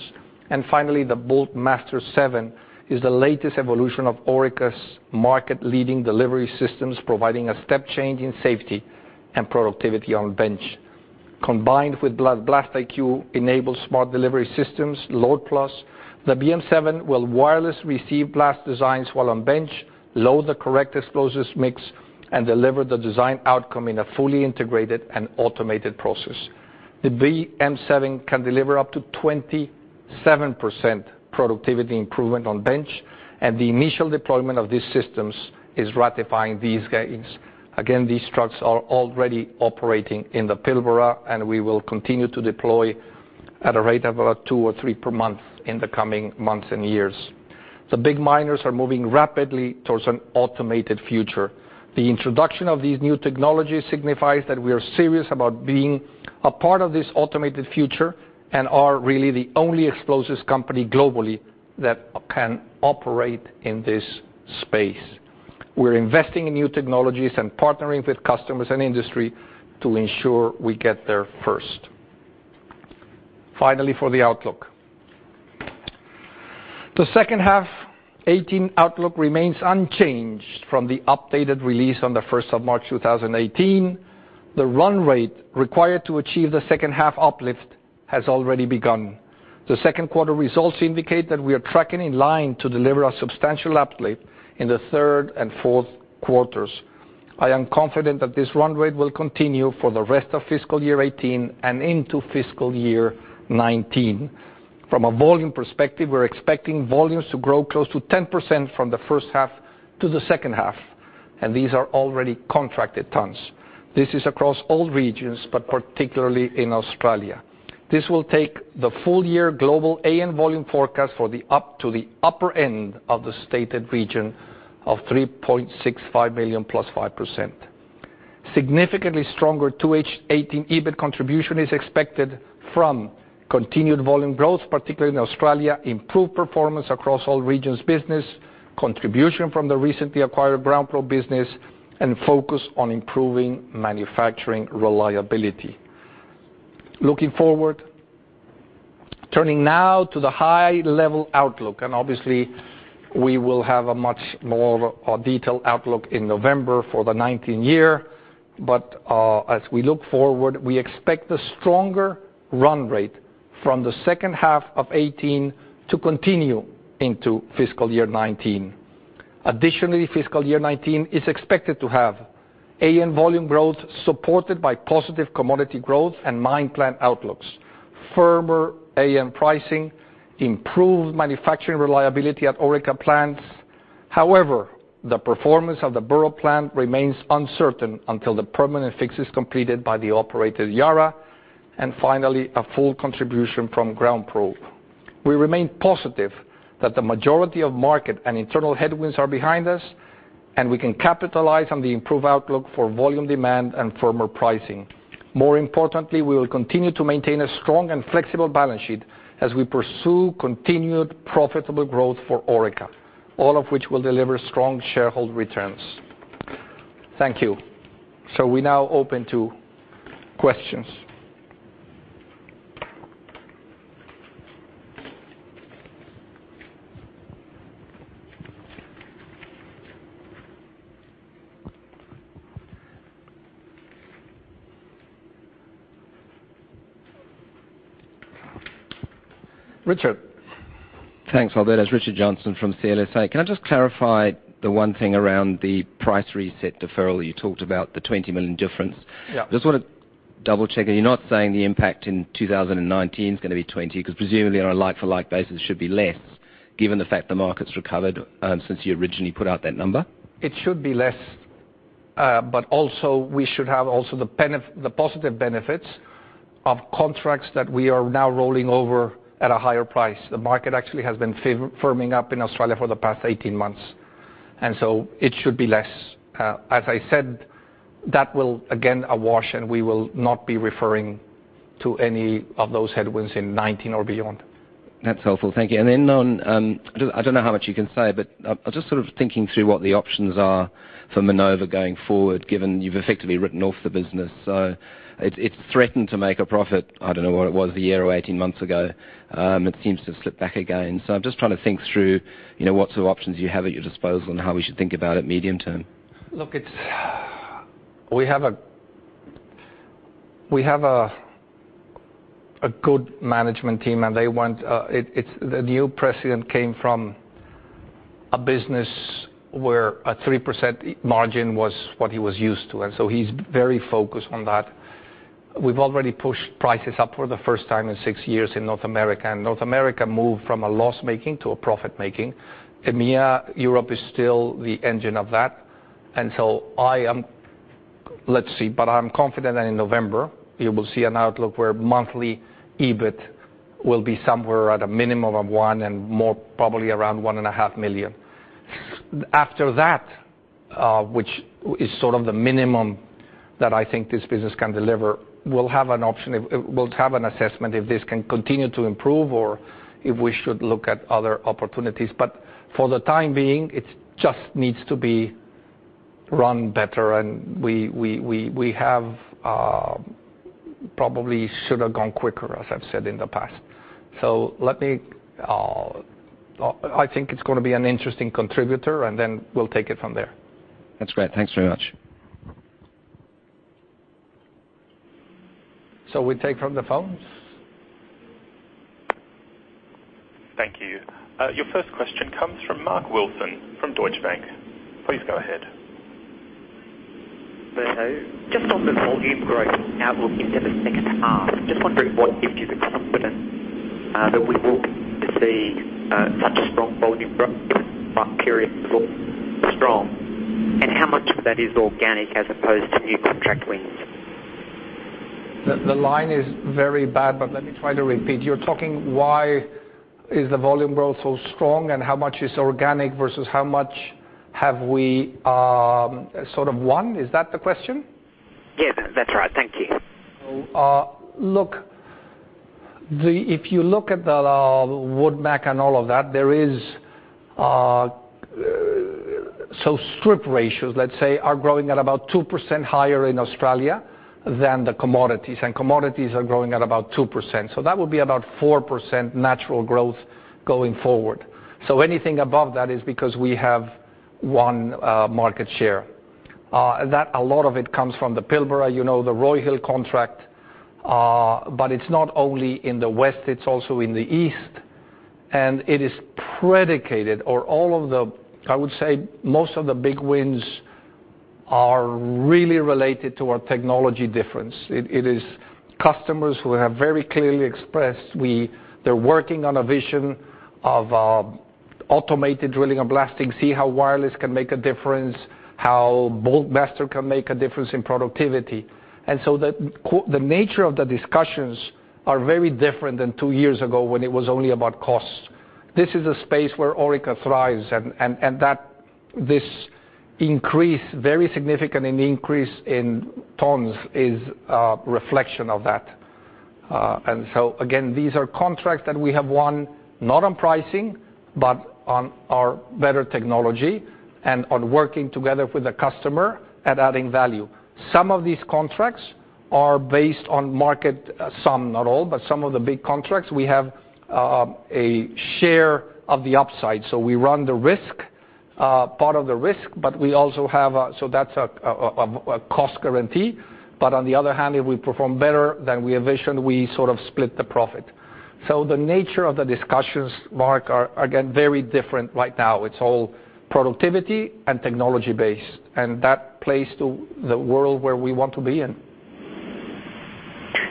Finally, the Bulkmaster 7 is the latest evolution of Orica's market-leading delivery systems providing a step change in safety and productivity on bench. Combined with BlastIQ enables smart delivery systems, LOADPlus, the BM7 will wireless receive blast designs while on bench, load the correct explosives mix, and deliver the design outcome in a fully integrated and automated process. The BM7 can deliver up to 27% productivity improvement on bench, and the initial deployment of these systems is ratifying these gains. Again, these trucks are already operating in the Pilbara, and we will continue to deploy at a rate of about two or three per month in the coming months and years. The big miners are moving rapidly towards an automated future. The introduction of these new technologies signifies that we are serious about being a part of this automated future and are really the only explosives company globally that can operate in this space. We're investing in new technologies and partnering with customers and industry to ensure we get there first. Finally, for the outlook. The second half 2018 outlook remains unchanged from the updated release on the 1st of March 2018. The run rate required to achieve the second half uplift has already begun. The second quarter results indicate that we are tracking in line to deliver a substantial uplift in the third and fourth quarters. I am confident that this run rate will continue for the rest of fiscal year 2018 and into fiscal year 2019. From a volume perspective, we're expecting volumes to grow close to 10% from the first half to the second half, and these are already contracted tons. This is across all regions, but particularly in Australia. This will take the full year global AN volume forecast for up to the upper end of the stated region of 3.65 million plus 5%. Significantly stronger 2H 2018 EBIT contribution is expected from continued volume growth, particularly in Australia, improved performance across all regions business, contribution from the recently acquired GroundProbe business, and focus on improving manufacturing reliability. Looking forward. Turning now to the high-level outlook, obviously we will have a much more detailed outlook in November for the 2019 year. As we look forward, we expect a stronger run rate from the second half of 2018 to continue into fiscal year 2019. Additionally, fiscal year 2019 is expected to have AN volume growth supported by positive commodity growth and mine plan outlooks. Firmer AN pricing, improved manufacturing reliability at Orica plants. However, the performance of the Burrup plant remains uncertain until the permanent fix is completed by the operator, Yara. Finally, a full contribution from GroundProbe. We remain positive that the majority of market and internal headwinds are behind us, and we can capitalize on the improved outlook for volume demand and firmer pricing. More importantly, we will continue to maintain a strong and flexible balance sheet as we pursue continued profitable growth for Orica, all of which will deliver strong shareholder returns. Thank you. We're now open to questions. Richard. Thanks, Alberto. It's Richard Johnson from CLSA. Can I just clarify the one thing around the price reset deferral? You talked about the 20 million difference. Yeah. I just want to double-check that you're not saying the impact in 2019 is going to be 20 because presumably on a like for like basis, it should be less given the fact the market's recovered since you originally put out that number. It should be less. Also, we should have the positive benefits of contracts that we are now rolling over at a higher price. The market actually has been firming up in Australia for the past 18 months, so it should be less. As I said, that will again wash, and we will not be referring to any of those headwinds in 2019 or beyond. That's helpful. Thank you. Then on, I don't know how much you can say, but I'm just sort of thinking through what the options are for Minova going forward, given you've effectively written off the business. It's threatened to make a profit, I don't know, what it was a year or 18 months ago. It seems to have slipped back again. I'm just trying to think through what sort of options you have at your disposal and how we should think about it medium term. Look, we have a good management team. The new president came from a business where a 3% margin was what he was used to, so he's very focused on that. We've already pushed prices up for the first time in six years in North America, and North America moved from a loss-making to a profit-making. EMEA, Europe is still the engine of that, so let's see. I'm confident that in November you will see an outlook where monthly EBIT will be somewhere at a minimum of 1 million and more probably around 1.5 million. After that, which is sort of the minimum that I think this business can deliver, we'll have an assessment if this can continue to improve or if we should look at other opportunities. For the time being, it just needs to be run better. We probably should have gone quicker, as I've said in the past. I think it's going to be an interesting contributor. We'll take it from there. That's great. Thanks very much. We take from the phones. Thank you. Your first question comes from Mark Wilson from Deutsche Bank. Please go ahead. Alberto, just on the volume growth outlook in the second half, just wondering what gives you the confidence that we will begin to see such strong volume growth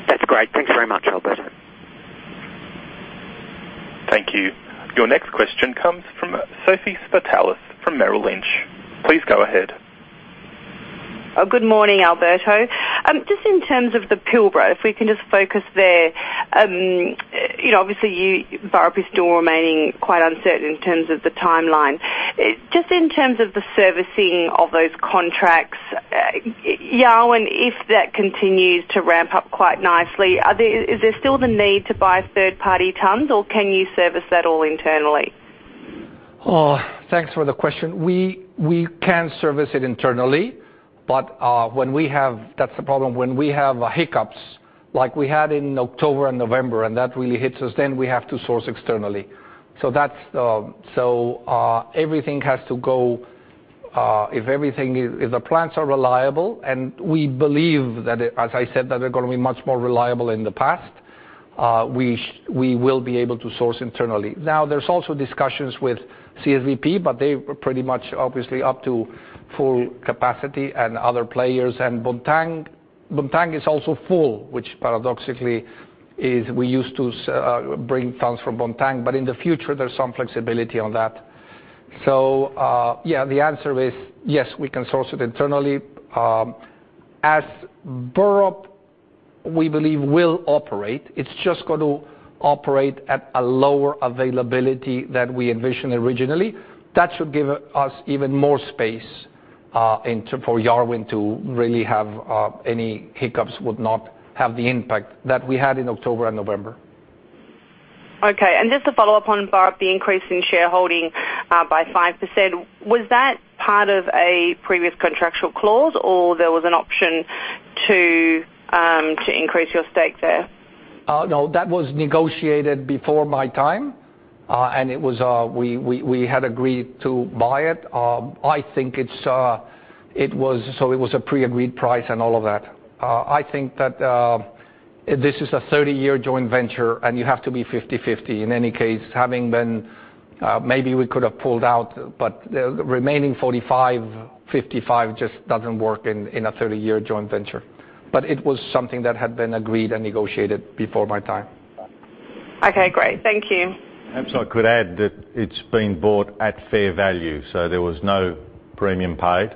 That's great. Thanks very much, Alberto. Thank you. Your next question comes from Sophie Spartalis from Merrill Lynch. Please go ahead. Good morning, Alberto. Just in terms of the Pilbara, if we can just focus there. Obviously, Burrup is still remaining quite uncertain in terms of the timeline. Just in terms of the servicing of those contracts, if that continues to ramp up quite nicely, is there still the need to buy third-party tons, or can you service that all internally? Thanks for the question. We can service it internally, but that's the problem. When we have hiccups like we had in October and November, and that really hits us, then we have to source externally. If the plants are reliable, and we believe that, as I said, that they're going to be much more reliable in the past, we will be able to source internally. Now, there's also discussions with CSBP, but they're pretty much obviously up to full capacity and other players. Bontang is also full, which paradoxically is we used to bring tons from Bontang, but in the future, there's some flexibility on that. Yeah, the answer is yes, we can source it internally. Burrup, we believe will operate. It's just going to operate at a lower availability than we envisioned originally. That should give us even more space for Yarwun to really have any hiccups would not have the impact that we had in October and November. Okay. Just to follow up on Burrup, the increase in shareholding by 5%. Was that part of a previous contractual clause, or there was an option to increase your stake there? No. That was negotiated before my time, we had agreed to buy it. It was a pre-agreed price and all of that. I think that this is a 30-year joint venture, you have to be 50/50. In any case, having been, maybe we could have pulled out, the remaining 45, 55 just doesn't work in a 30-year joint venture. It was something that had been agreed and negotiated before my time. Okay, great. Thank you. Perhaps I could add that it's been bought at fair value, there was no premium paid.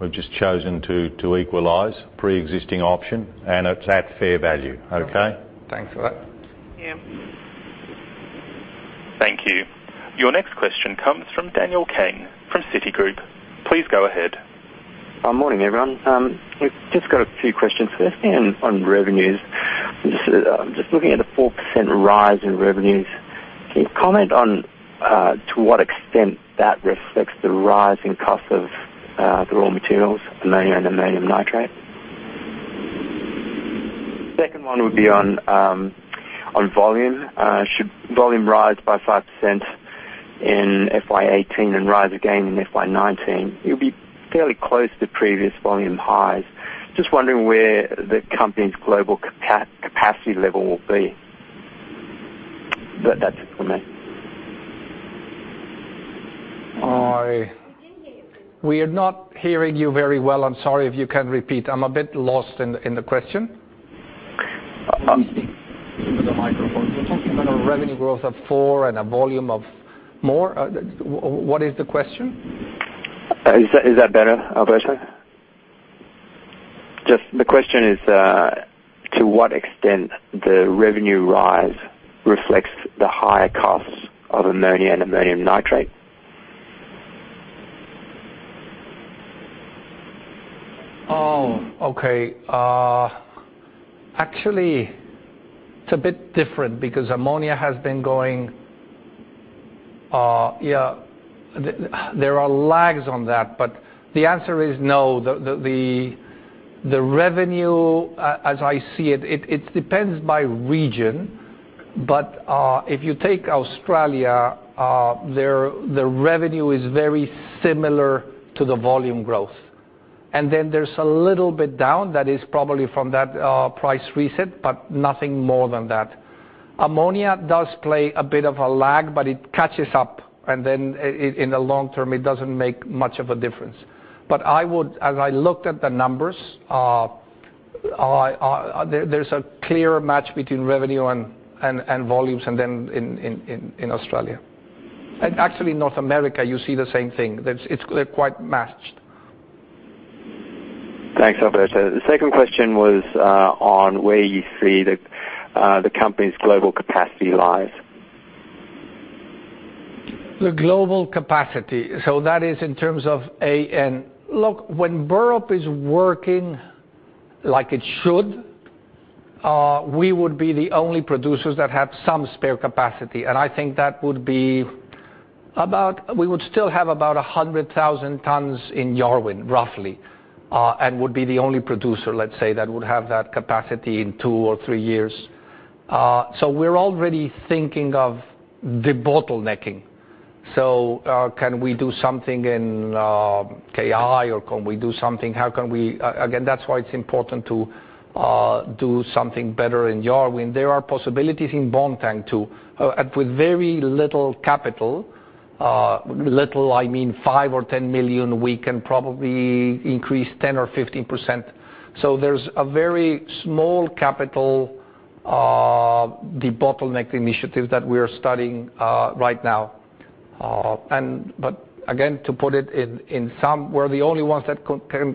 We've just chosen to equalize preexisting option, it's at fair value. Okay? Thanks for that. Yeah. Thank you. Your next question comes from Daniel Kang from Citigroup. Please go ahead. Morning, everyone. We've just got a few questions. Firstly, on revenues. I'm just looking at a 4% rise in revenues. Can you comment on to what extent that reflects the rise in cost of the raw materials, ammonia and ammonium nitrate? Second one would be on volume. Should volume rise by 5% in FY 2018 and rise again in FY 2019, it would be fairly close to previous volume highs. Just wondering where the company's global capacity level will be. That's it from me. We are not hearing you very well. I'm sorry, if you can repeat. I'm a bit lost in the question. Use the microphone. You're talking about a revenue growth of four and a volume of more. What is the question? Is that better, Alberto? Just the question is, to what extent the revenue rise reflects the higher costs of ammonia and ammonium nitrate. Oh, okay. Actually, it's a bit different because ammonia has been going There are lags on that, but the answer is no. The revenue, as I see it depends by region, but if you take Australia, the revenue is very similar to the volume growth. Then there's a little bit down that is probably from that price reset, but nothing more than that. Ammonia does play a bit of a lag, but it catches up, and then in the long term, it doesn't make much of a difference. As I looked at the numbers, there's a clear match between revenue and volumes in Australia. Actually North America, you see the same thing. They're quite matched. Thanks, Alberto. The second question was on where you see the company's global capacity lies. The global capacity. That is in terms of AN. Look, when Burrup is working like it should, we would be the only producers that have some spare capacity. I think that would be about, we would still have about 100,000 tons in Yarwun, roughly, and would be the only producer, let's say, that would have that capacity in two or three years. We're already thinking of debottlenecking. Can we do something in KI or can we do something? Again, that's why it's important to do something better in Yarwun. There are possibilities in Bontang too. With very little capital, little I mean 5 million or 10 million, we can probably increase 10% or 15%. There's a very small capital debottleneck initiative that we are studying right now. Again, to put it in sum, we're the only ones that can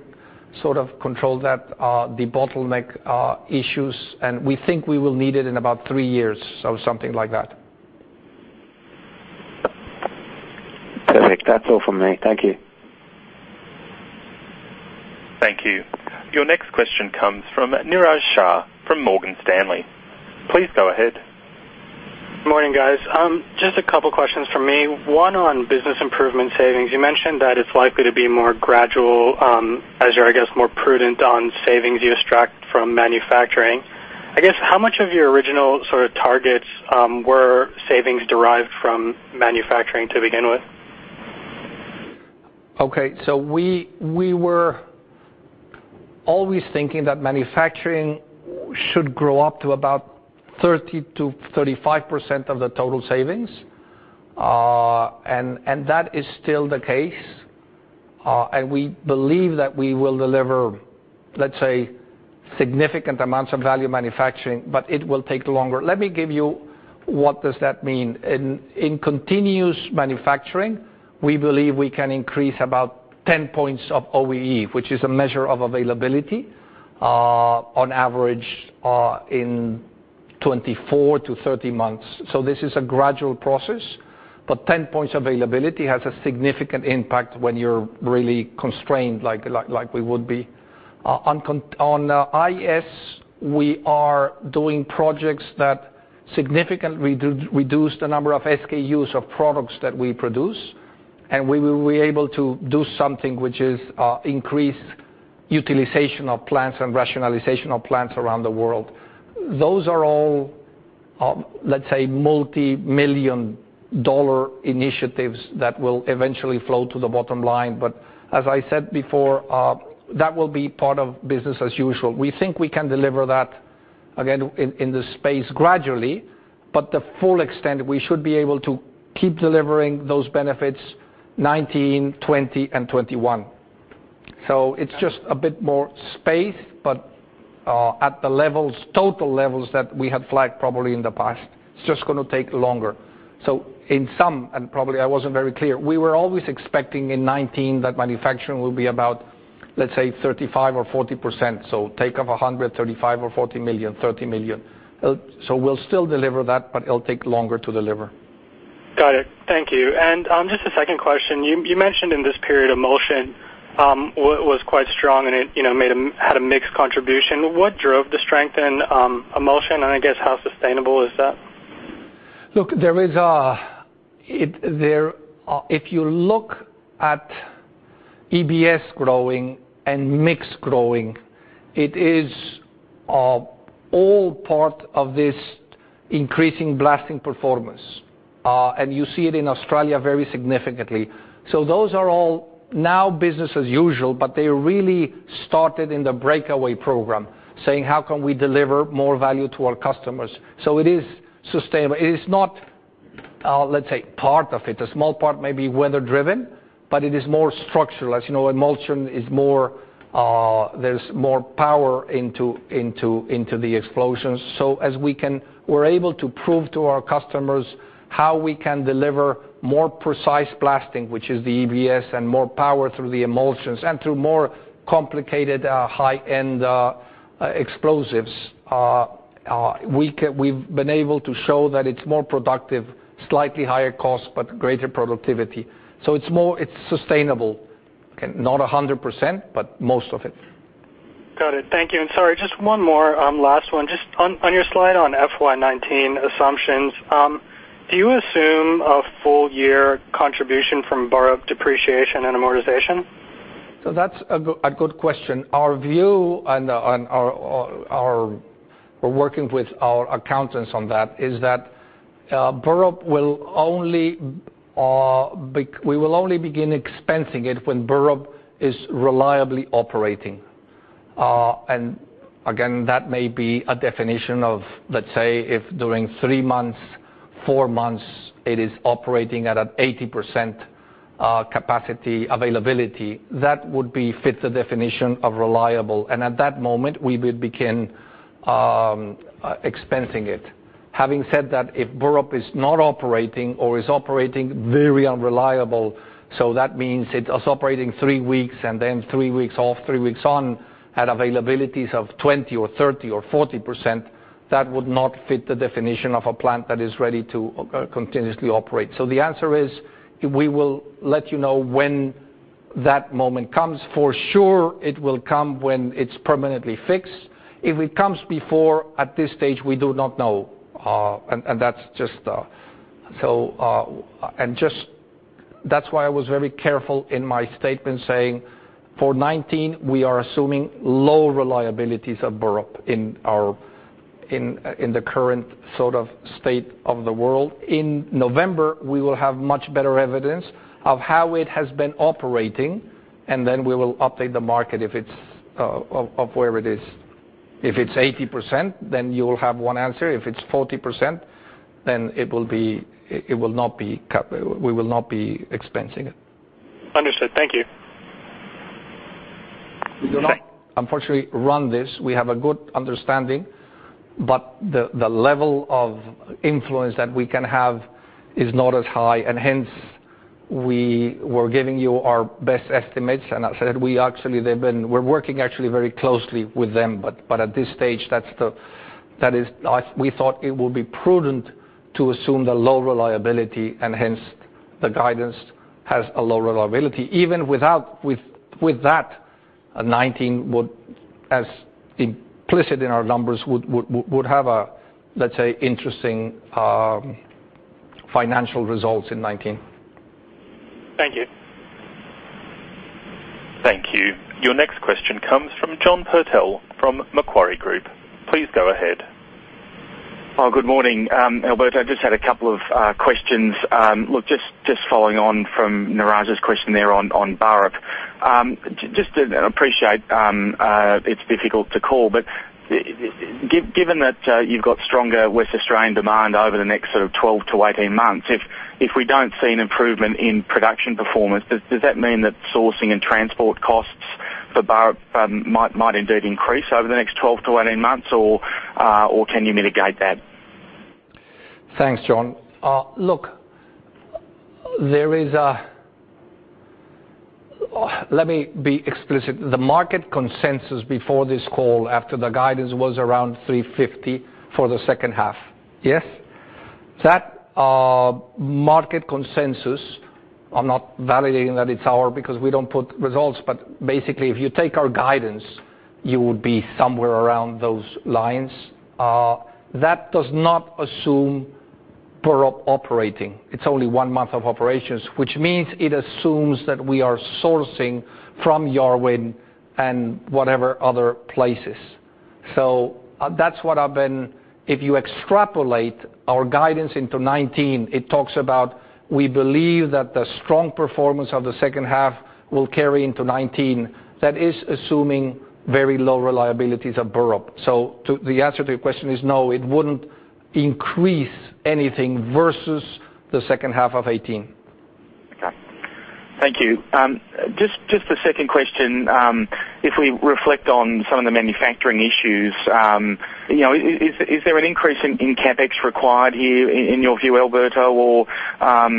sort of control that debottleneck issues, and we think we will need it in about three years, something like that. Perfect. That's all from me. Thank you. Thank you. Your next question comes from Niraj Shah from Morgan Stanley. Please go ahead. Morning, guys. Just a couple questions from me. One on business improvement savings. You mentioned that it's likely to be more gradual as you're, I guess, more prudent on savings you extract from manufacturing. I guess how much of your original sort of targets were savings derived from manufacturing to begin with? Okay. We were always thinking that manufacturing should grow up to about 30% to 35% of the total savings. That is still the case. We believe that we will deliver, let's say, significant amounts of value manufacturing, but it will take longer. Let me give you what does that mean. In continuous manufacturing, we believe we can increase about 10 points of OEE, which is a measure of availability, on average, in 24 to 30 months. This is a gradual process, but 10 points availability has a significant impact when you're really constrained like we would be. On IS, we are doing projects that significantly reduce the number of SKUs of products that we produce, and we will be able to do something which is increase utilization of plants and rationalization of plants around the world. Those are all, let's say, multimillion-dollar initiatives that will eventually flow to the bottom line. As I said before, that will be part of business as usual. We think we can deliver that again, in this space gradually, but the full extent, we should be able to keep delivering those benefits 2019, 2020, and 2021. It's just a bit more space, but at the total levels that we have flagged probably in the past. It's just going to take longer. In sum, and probably I wasn't very clear, we were always expecting in 2019 that manufacturing will be about, let's say, 35% or 40%. Take of 100, 35 million or 40 million, 30 million. We'll still deliver that, but it'll take longer to deliver. Got it. Thank you. Just a second question. You mentioned in this period emulsion was quite strong, and it had a mixed contribution. What drove the strength in emulsion, and I guess, how sustainable is that? Look, if you look at EBS growing and mix growing, it is all part of this increasing blasting performance. You see it in Australia very significantly. Those are all now business as usual, but they really started in the breakaway program saying, "How can we deliver more value to our customers?" It is sustainable. It is not, let's say, part of it. A small part may be weather driven, but it is more structural. As you know, emulsion, there's more power into the explosions. As we're able to prove to our customers how we can deliver more precise blasting, which is the EBS, and more power through the emulsions and through more complicated high-end explosives. We've been able to show that it's more productive, slightly higher cost, but greater productivity. It's sustainable. Not 100%, but most of it. Got it. Thank you. Sorry, just one more last one. Just on your slide on FY 2019 assumptions, do you assume a full year contribution from Burrup depreciation and amortization? That's a good question. Our view, and we're working with our accountants on that, is that Burrup, we will only begin expensing it when Burrup is reliably operating. Again, that may be a definition of, let's say, if during three months, four months it is operating at an 80% capacity availability, that would fit the definition of reliable. At that moment, we would begin expensing it. Having said that, if Burrup is not operating or is operating very unreliable, that means it is operating three weeks and then three weeks off, three weeks on at availabilities of 20% or 30% or 40%, that would not fit the definition of a plant that is ready to continuously operate. The answer is, we will let you know when that moment comes. For sure, it will come when it's permanently fixed. If it comes before, at this stage, we do not know. That's why I was very careful in my statement saying for 2019, we are assuming low reliabilities of Burrup in the current sort of state of the world. In November, we will have much better evidence of how it has been operating. Then we will update the market of where it is. If it's 80%, then you will have one answer. If it's 40%, then we will not be expensing it. Understood. Thank you. We do not, unfortunately, run this. We have a good understanding, but the level of influence that we can have is not as high. Hence, we were giving you our best estimates. As I said, we're working actually very closely with them. At this stage, we thought it would be prudent to assume the low reliability, and hence the guidance has a low reliability. Even with that, 2019, as implicit in our numbers, would have a, let's say, interesting financial results in 2019. Thank you. Thank you. Your next question comes from John Purtell from Macquarie Group. Please go ahead. Good morning. Alberto, just had a couple of questions. Look, just following on from Neeraj's question there on Burrup. Just appreciate it's difficult to call, but given that you've got stronger West Australian demand over the next sort of 12-18 months, if we don't see an improvement in production performance, does that mean that sourcing and transport costs for Burrup might indeed increase over the next 12-18 months, or can you mitigate that? Thanks, John. Look, let me be explicit. The market consensus before this call, after the guidance, was around 350 for the second half. Yes. That market consensus, I'm not validating that it's our, because we don't put results, but basically if you take our guidance, you would be somewhere around those lines. That does not assume Burrup operating. It's only one month of operations, which means it assumes that we are sourcing from Yarwun and whatever other places. If you extrapolate our guidance into 2019, it talks about, we believe that the strong performance of the second half will carry into 2019. That is assuming very low reliabilities of Burrup. The answer to your question is no, it wouldn't increase anything versus the second half of 2018. Okay. Thank you. Just the second question, if we reflect on some of the manufacturing issues, is there an increase in CapEx required here in your view, Alberto, or are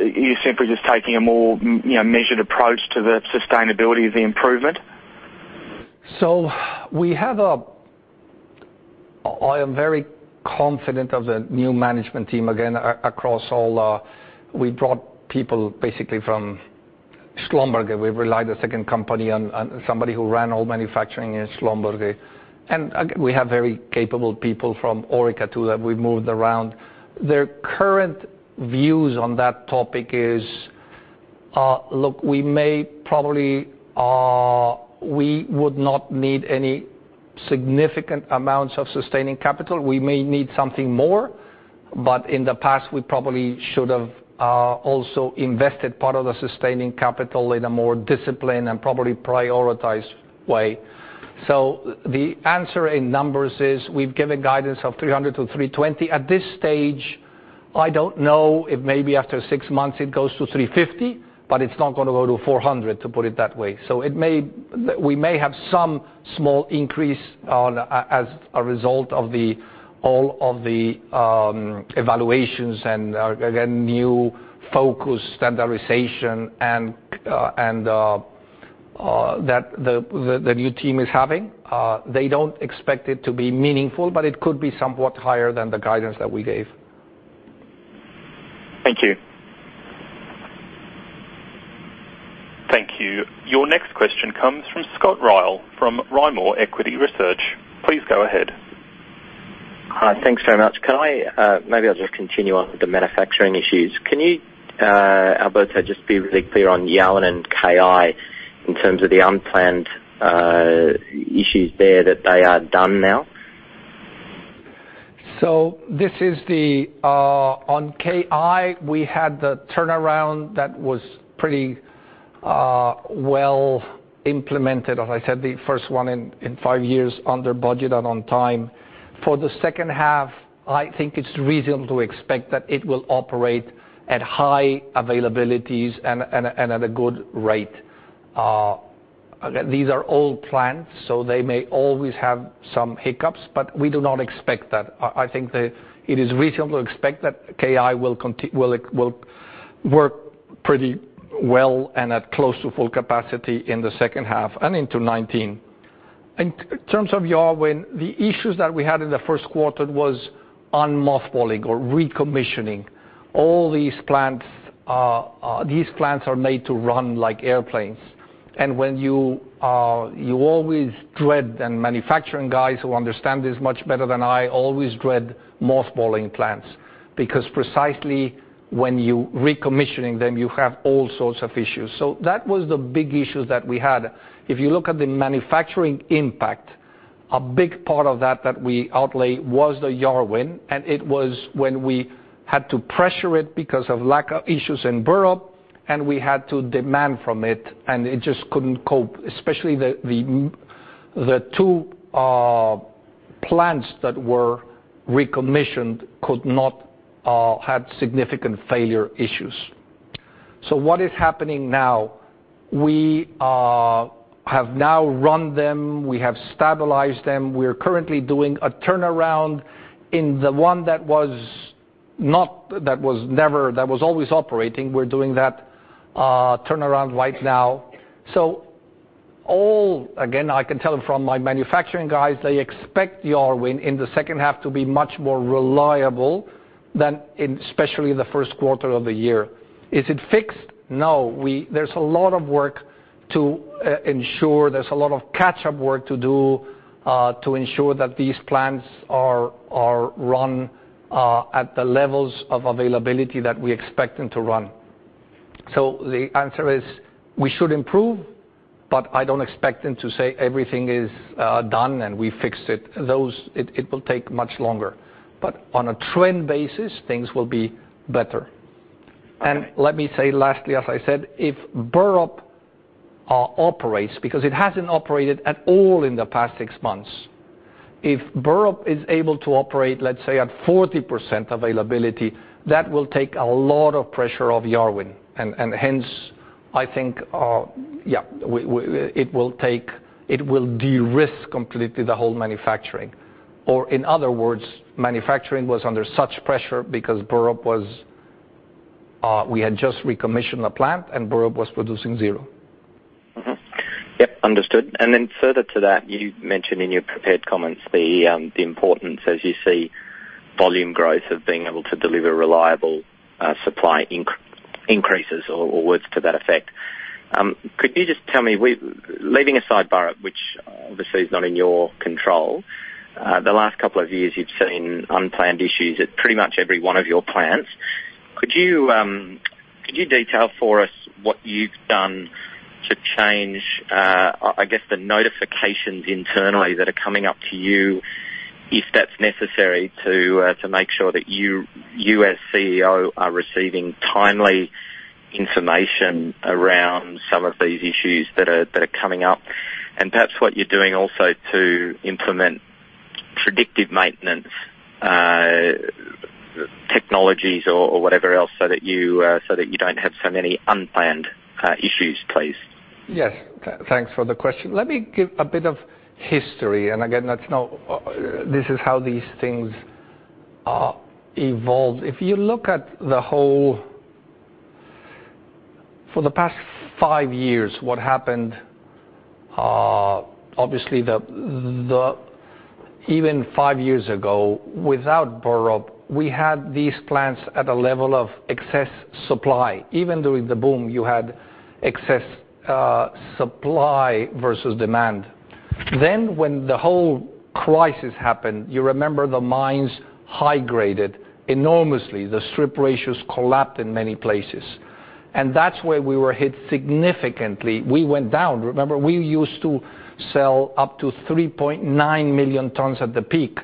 you simply just taking a more measured approach to the sustainability of the improvement? I am very confident of the new management team. We brought people basically from Schlumberger. We relied the second company on somebody who ran all manufacturing in Schlumberger. We have very capable people from Orica too, that we've moved around. Their current views on that topic is, look, we would not need any significant amounts of sustaining capital. We may need something more, but in the past, we probably should have also invested part of the sustaining capital in a more disciplined and probably prioritized way. The answer in numbers is, we've given guidance of 300 million-320 million. At this stage, I don't know, if maybe after six months it goes to 350 million, but it's not going to go to 400 million, to put it that way. We may have some small increase as a result of all of the evaluations and new focus standardization that the new team is having. They don't expect it to be meaningful, but it could be somewhat higher than the guidance that we gave. Thank you. Thank you. Your next question comes from Scott Ryall, from Rimor Equity Research. Please go ahead. Hi. Thanks very much. Maybe I'll just continue on with the manufacturing issues. Can you, Alberto, just be really clear on Yarwun and KI in terms of the unplanned issues there, that they are done now? On KI, we had the turnaround that was pretty well implemented. As I said, the first one in five years under budget and on time. For the second half, I think it's reasonable to expect that it will operate at high availabilities and at a good rate. These are all planned, so they may always have some hiccups, but we do not expect that. I think that it is reasonable to expect that KI will work pretty well and at close to full capacity in the second half and into 2019. In terms of Yarwun, the issues that we had in the first quarter was on mothballing or recommissioning. All these plants are made to run like airplanes, and you always dread, and manufacturing guys who understand this much better than I, always dread mothballing plants, because precisely when you're recommissioning them, you have all sorts of issues. That was the big issue that we had. If you look at the manufacturing impact, a big part of that that we outlay was the Yarwun, and it was when we had to pressure it because of lack of issues in Burrup, and we had to demand from it, and it just couldn't cope. Especially the two plants that were recommissioned had significant failure issues. What is happening now? We have now run them. We have stabilized them. We are currently doing a turnaround in the one that was always operating. We're doing that turnaround right now. All, again, I can tell from my manufacturing guys, they expect Yarwun in the second half to be much more reliable than especially in the first quarter of the year. Is it fixed? No. There's a lot of work to ensure, there's a lot of catch-up work to do, to ensure that these plants are run at the levels of availability that we expect them to run. The answer is, we should improve, but I don't expect them to say everything is done, and we fixed it. It will take much longer. On a trend basis, things will be better. Okay. Let me say, lastly, as I said, if Burrup operates, because it hasn't operated at all in the past six months. If Burrup is able to operate, let's say, at 40% availability, that will take a lot of pressure off Yarwun. Hence, I think, it will de-risk completely the whole manufacturing. In other words, manufacturing was under such pressure because we had just recommissioned the plant, and Burrup was producing zero. Mm-hmm. Yep. Understood. Further to that, you mentioned in your prepared comments the importance as you see volume growth of being able to deliver reliable supply increases or words to that effect. Could you just tell me, leaving aside Burrup, which obviously is not in your control, the last couple of years you've seen unplanned issues at pretty much every one of your plants. Could you detail for us what you've done to change, I guess, the notifications internally that are coming up to you, if that's necessary to make sure that you as CEO are receiving timely information around some of these issues that are coming up? Perhaps what you're doing also to implement predictive maintenance technologies or whatever else so that you don't have so many unplanned issues, please. Yes. Thanks for the question. Let me give a bit of history, and again, this is how these things evolved. If you look at the whole, for the past five years, what happened, obviously even five years ago, without Burrup, we had these plants at a level of excess supply. Even during the boom, you had excess supply versus demand. When the whole crisis happened, you remember the mines high-graded enormously. The strip ratios collapsed in many places. That's where we were hit significantly. We went down. Remember, we used to sell up to 3.9 million tons at the peak,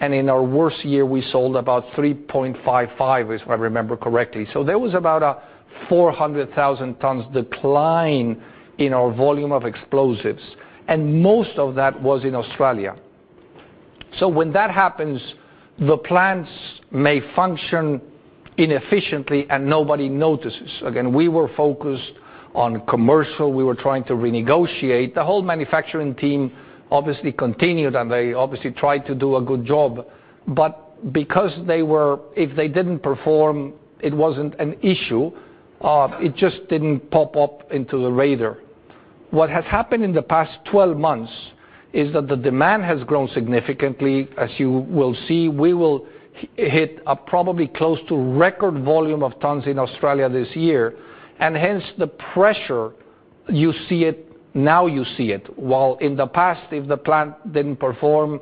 and in our worst year, we sold about 3.55 million tons, if I remember correctly. There was about a 400,000 tons decline in our volume of explosives. Most of that was in Australia. When that happens, the plants may function inefficiently, and nobody notices. Again, we were focused on commercial. We were trying to renegotiate. The whole manufacturing team obviously continued, and they obviously tried to do a good job. Because if they didn't perform, it wasn't an issue. It just didn't pop up into the radar. What has happened in the past 12 months is that the demand has grown significantly. As you will see, we will hit a probably close to record volume of tons in Australia this year. Hence the pressure, now you see it. While in the past, if the plant didn't perform,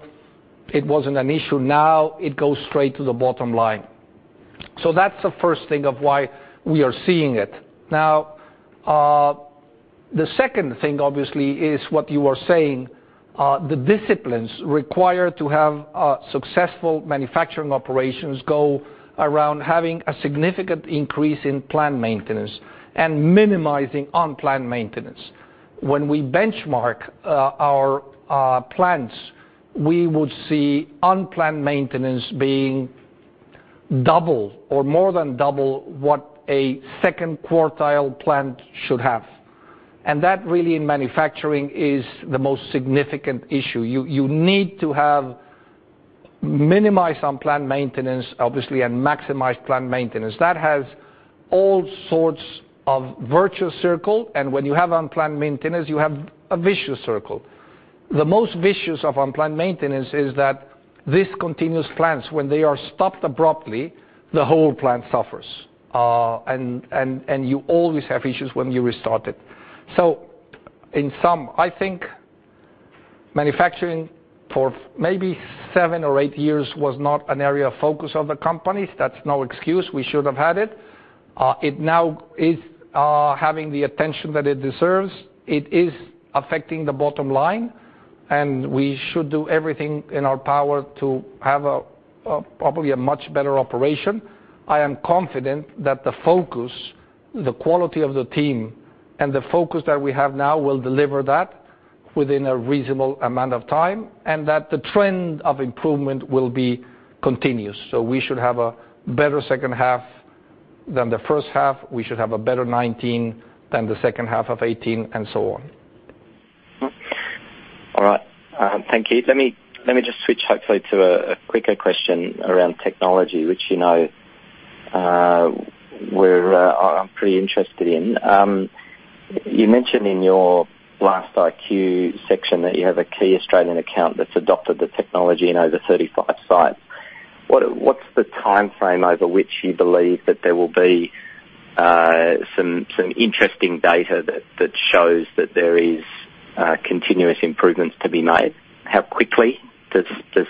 it wasn't an issue. Now it goes straight to the bottom line. That's the first thing of why we are seeing it. The second thing, obviously, is what you are saying. The disciplines required to have successful manufacturing operations go around having a significant increase in planned maintenance and minimizing unplanned maintenance. When we benchmark our plants, we would see unplanned maintenance being double or more than double what a second quartile plant should have. That really in manufacturing is the most significant issue. You need to minimize unplanned maintenance, obviously, and maximize planned maintenance. That has all sorts of virtuous circle, and when you have unplanned maintenance, you have a vicious circle. The most vicious of unplanned maintenance is that these continuous plants, when they are stopped abruptly, the whole plant suffers. You always have issues when you restart it. In sum, I think manufacturing for maybe seven or eight years was not an area of focus of the company. That's no excuse. We should have had it. It now is having the attention that it deserves. It is affecting the bottom line, and we should do everything in our power to have probably a much better operation. I am confident that the focus, the quality of the team, and the focus that we have now will deliver that within a reasonable amount of time, and that the trend of improvement will be continuous. We should have a better second half than the first half. We should have a better 2019 than the second half of 2018, and so on. All right. Thank you. Let me just switch hopefully to a quicker question around technology, which I'm pretty interested in. You mentioned in your last BlastIQ section that you have a key Australian account that's adopted the technology in over 35 sites. What's the timeframe over which you believe that there will be some interesting data that shows that there is continuous improvements to be made? How quickly does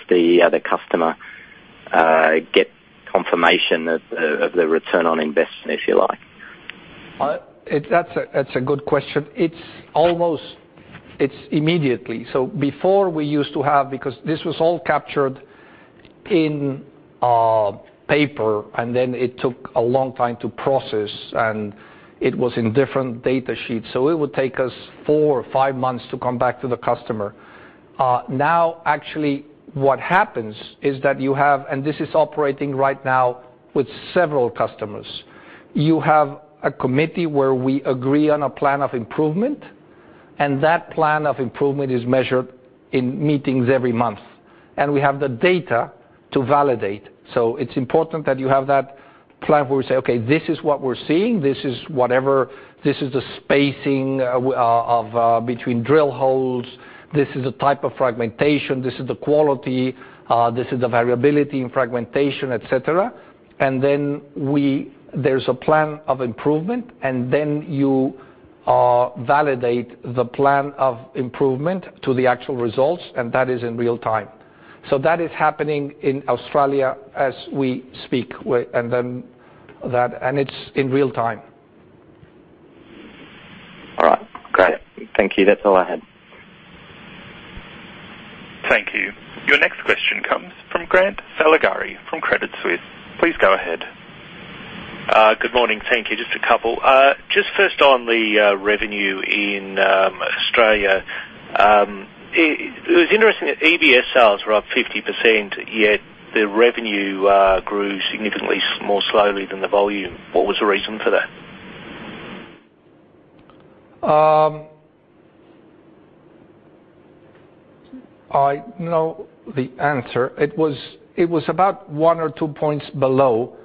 the other customer get confirmation of the return on investment, if you like? That's a good question. It's immediately. Before we used to have, because this was all captured in paper, and then it took a long time to process, and it was in different data sheets. It would take us four or five months to come back to the customer. Now, actually, what happens is that you have, and this is operating right now with several customers. You have a committee where we agree on a plan of improvement, and that plan of improvement is measured in meetings every month. We have the data to validate. It's important that you have that plan where we say, "Okay, this is what we're seeing. This is whatever. This is the spacing between drill holes. This is the type of fragmentation. This is the quality. This is the variability in fragmentation," et cetera. there's a plan of improvement, and then you validate the plan of improvement to the actual results, and that is in real time. That is happening in Australia as we speak, and it's in real time. All right, great. Thank you. That's all I had. Thank you. Your next question comes from Grant Saligari from Credit Suisse. Please go ahead. Good morning. Thank you. Just a couple. Just first on the revenue in Australia. It was interesting that EBS sales were up 50%, yet the revenue grew significantly more slowly than the volume. What was the reason for that? I know the answer. It was about one or two points below,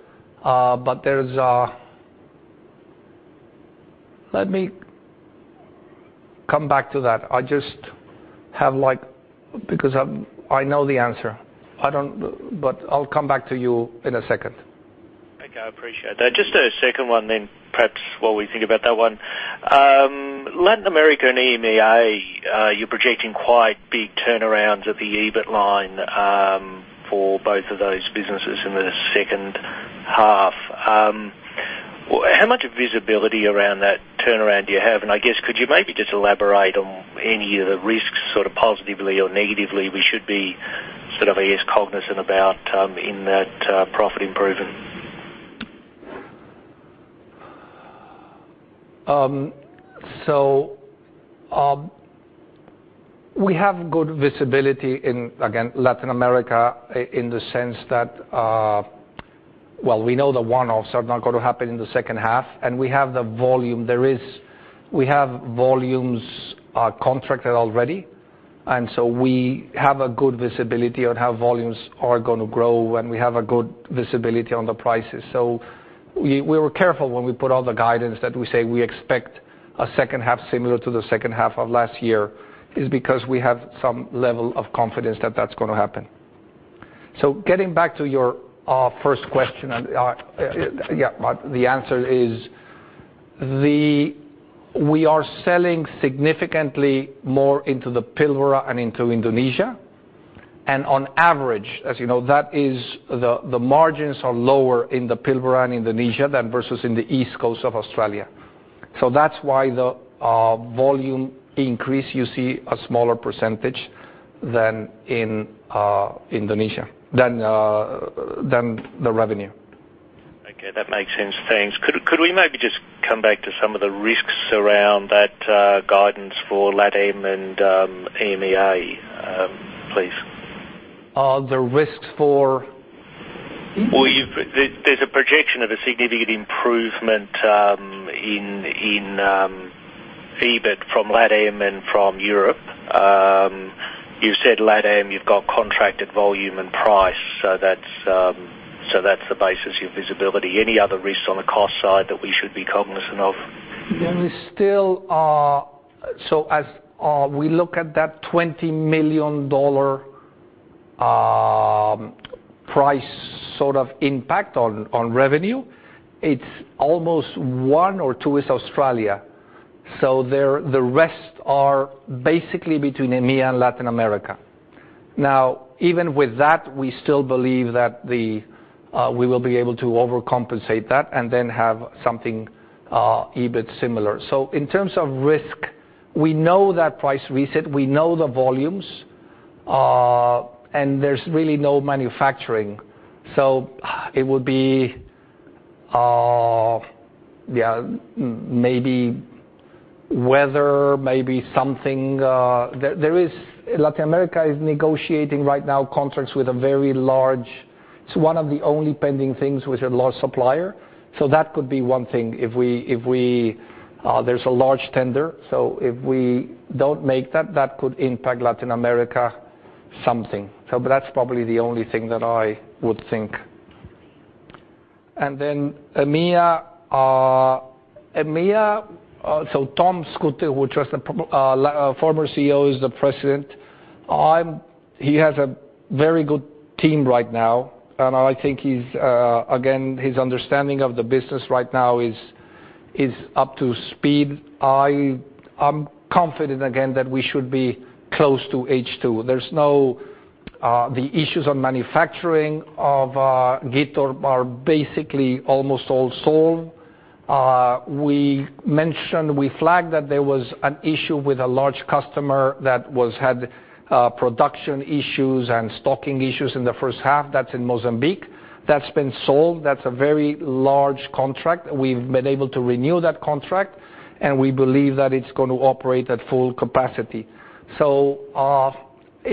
let me come back to that. I know the answer. I'll come back to you in a second. Okay, I appreciate that. Just a second one, perhaps while we think about that one. Latin America and EMEA, you're projecting quite big turnarounds of the EBIT line for both of those businesses in the second half. How much visibility around that turnaround do you have, and I guess, could you maybe just elaborate on any of the risks sort of positively or negatively we should be, sort of, I guess, cognizant about in that profit improvement? We have good visibility in, again, Latin America in the sense that, well, we know the one-offs are not going to happen in the second half, and we have the volume. We have volumes contracted already, we have a good visibility on how volumes are going to grow, and we have a good visibility on the prices. We were careful when we put out the guidance that we say we expect a second half similar to the second half of last year is because we have some level of confidence that that's going to happen. Getting back to your first question, the answer is we are selling significantly more into the Pilbara and into Indonesia. On average, as you know, the margins are lower in the Pilbara and Indonesia than versus in the East Coast of Australia. That's why the volume increase you see a smaller percentage than the revenue. Okay. That makes sense. Thanks. Could we maybe just come back to some of the risks around that guidance for LATAM and EMEA, please? The risks for- Well, there's a projection of a significant improvement in EBIT from LATAM and from Europe. You said LATAM, you've got contracted volume and price, so that's the basis, your visibility. Any other risks on the cost side that we should be cognizant of? As we look at that 20 million dollar price sort of impact on revenue, it's almost one or two is Australia. The rest are basically between EMEA and Latin America. Even with that, we still believe that we will be able to overcompensate that and then have something EBIT similar. In terms of risk, we know that price reset, we know the volumes, and there's really no manufacturing. It would be maybe weather, maybe something. Latin America is negotiating right now contracts with It's one of the only pending things with a large supplier. That could be one thing. There's a large tender. If we don't make that could impact Latin America something. That's probably the only thing that I would think. EMEA. David Noon, who was the former CEO, is the President. He has a very good team right now. I think, again, his understanding of the business right now is up to speed. I'm confident again that we should be close to H2. The issues on manufacturing of Geita are basically almost all solved. We mentioned, we flagged that there was an issue with a large customer that had production issues and stocking issues in the first half that's in Mozambique. That's been solved. That's a very large contract. We've been able to renew that contract, and we believe that it's going to operate at full capacity.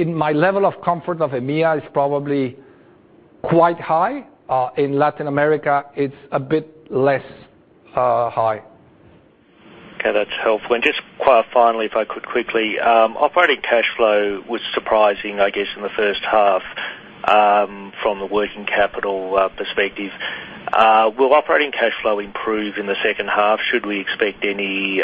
My level of comfort of EMEA is probably quite high. In Latin America, it's a bit less high. Okay, that's helpful. Just finally, if I could quickly. Operating cash flow was surprising, I guess, in the first half, from the working capital perspective. Will operating cash flow improve in the second half? Should we expect any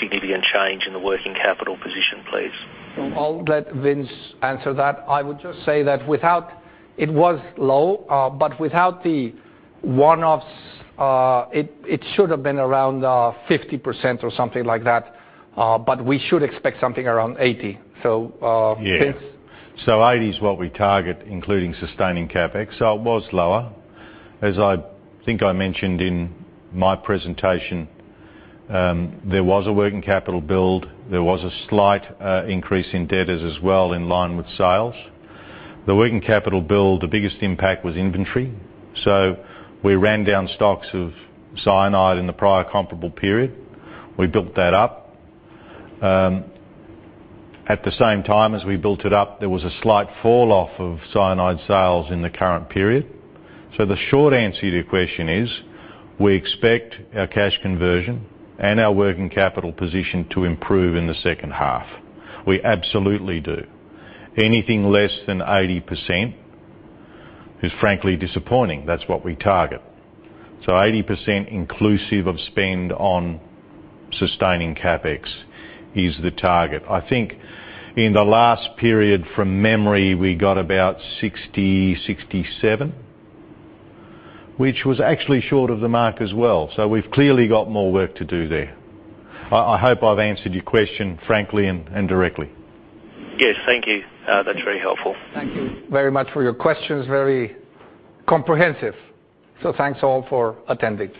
significant change in the working capital position, please? I'll let Vince answer that. I would just say that it was low, without the one-offs, it should have been around 50% or something like that. We should expect something around 80. Vince? 80 is what we target, including sustaining CapEx. It was lower. As I think I mentioned in my presentation, there was a working capital build. There was a slight increase in debtors as well, in line with sales. The working capital build, the biggest impact was inventory. We ran down stocks of cyanide in the prior comparable period. We built that up. At the same time as we built it up, there was a slight fall off of cyanide sales in the current period. The short answer to your question is, we expect our cash conversion and our working capital position to improve in the second half. We absolutely do. Anything less than 80% is frankly disappointing. That's what we target. 80% inclusive of spend on sustaining CapEx is the target. I think in the last period, from memory, we got about 60%-67%? Which was actually short of the mark as well. We've clearly got more work to do there. I hope I've answered your question frankly and directly. Yes. Thank you. That's very helpful. Thank you very much for your questions. Very comprehensive. Thanks all for attending.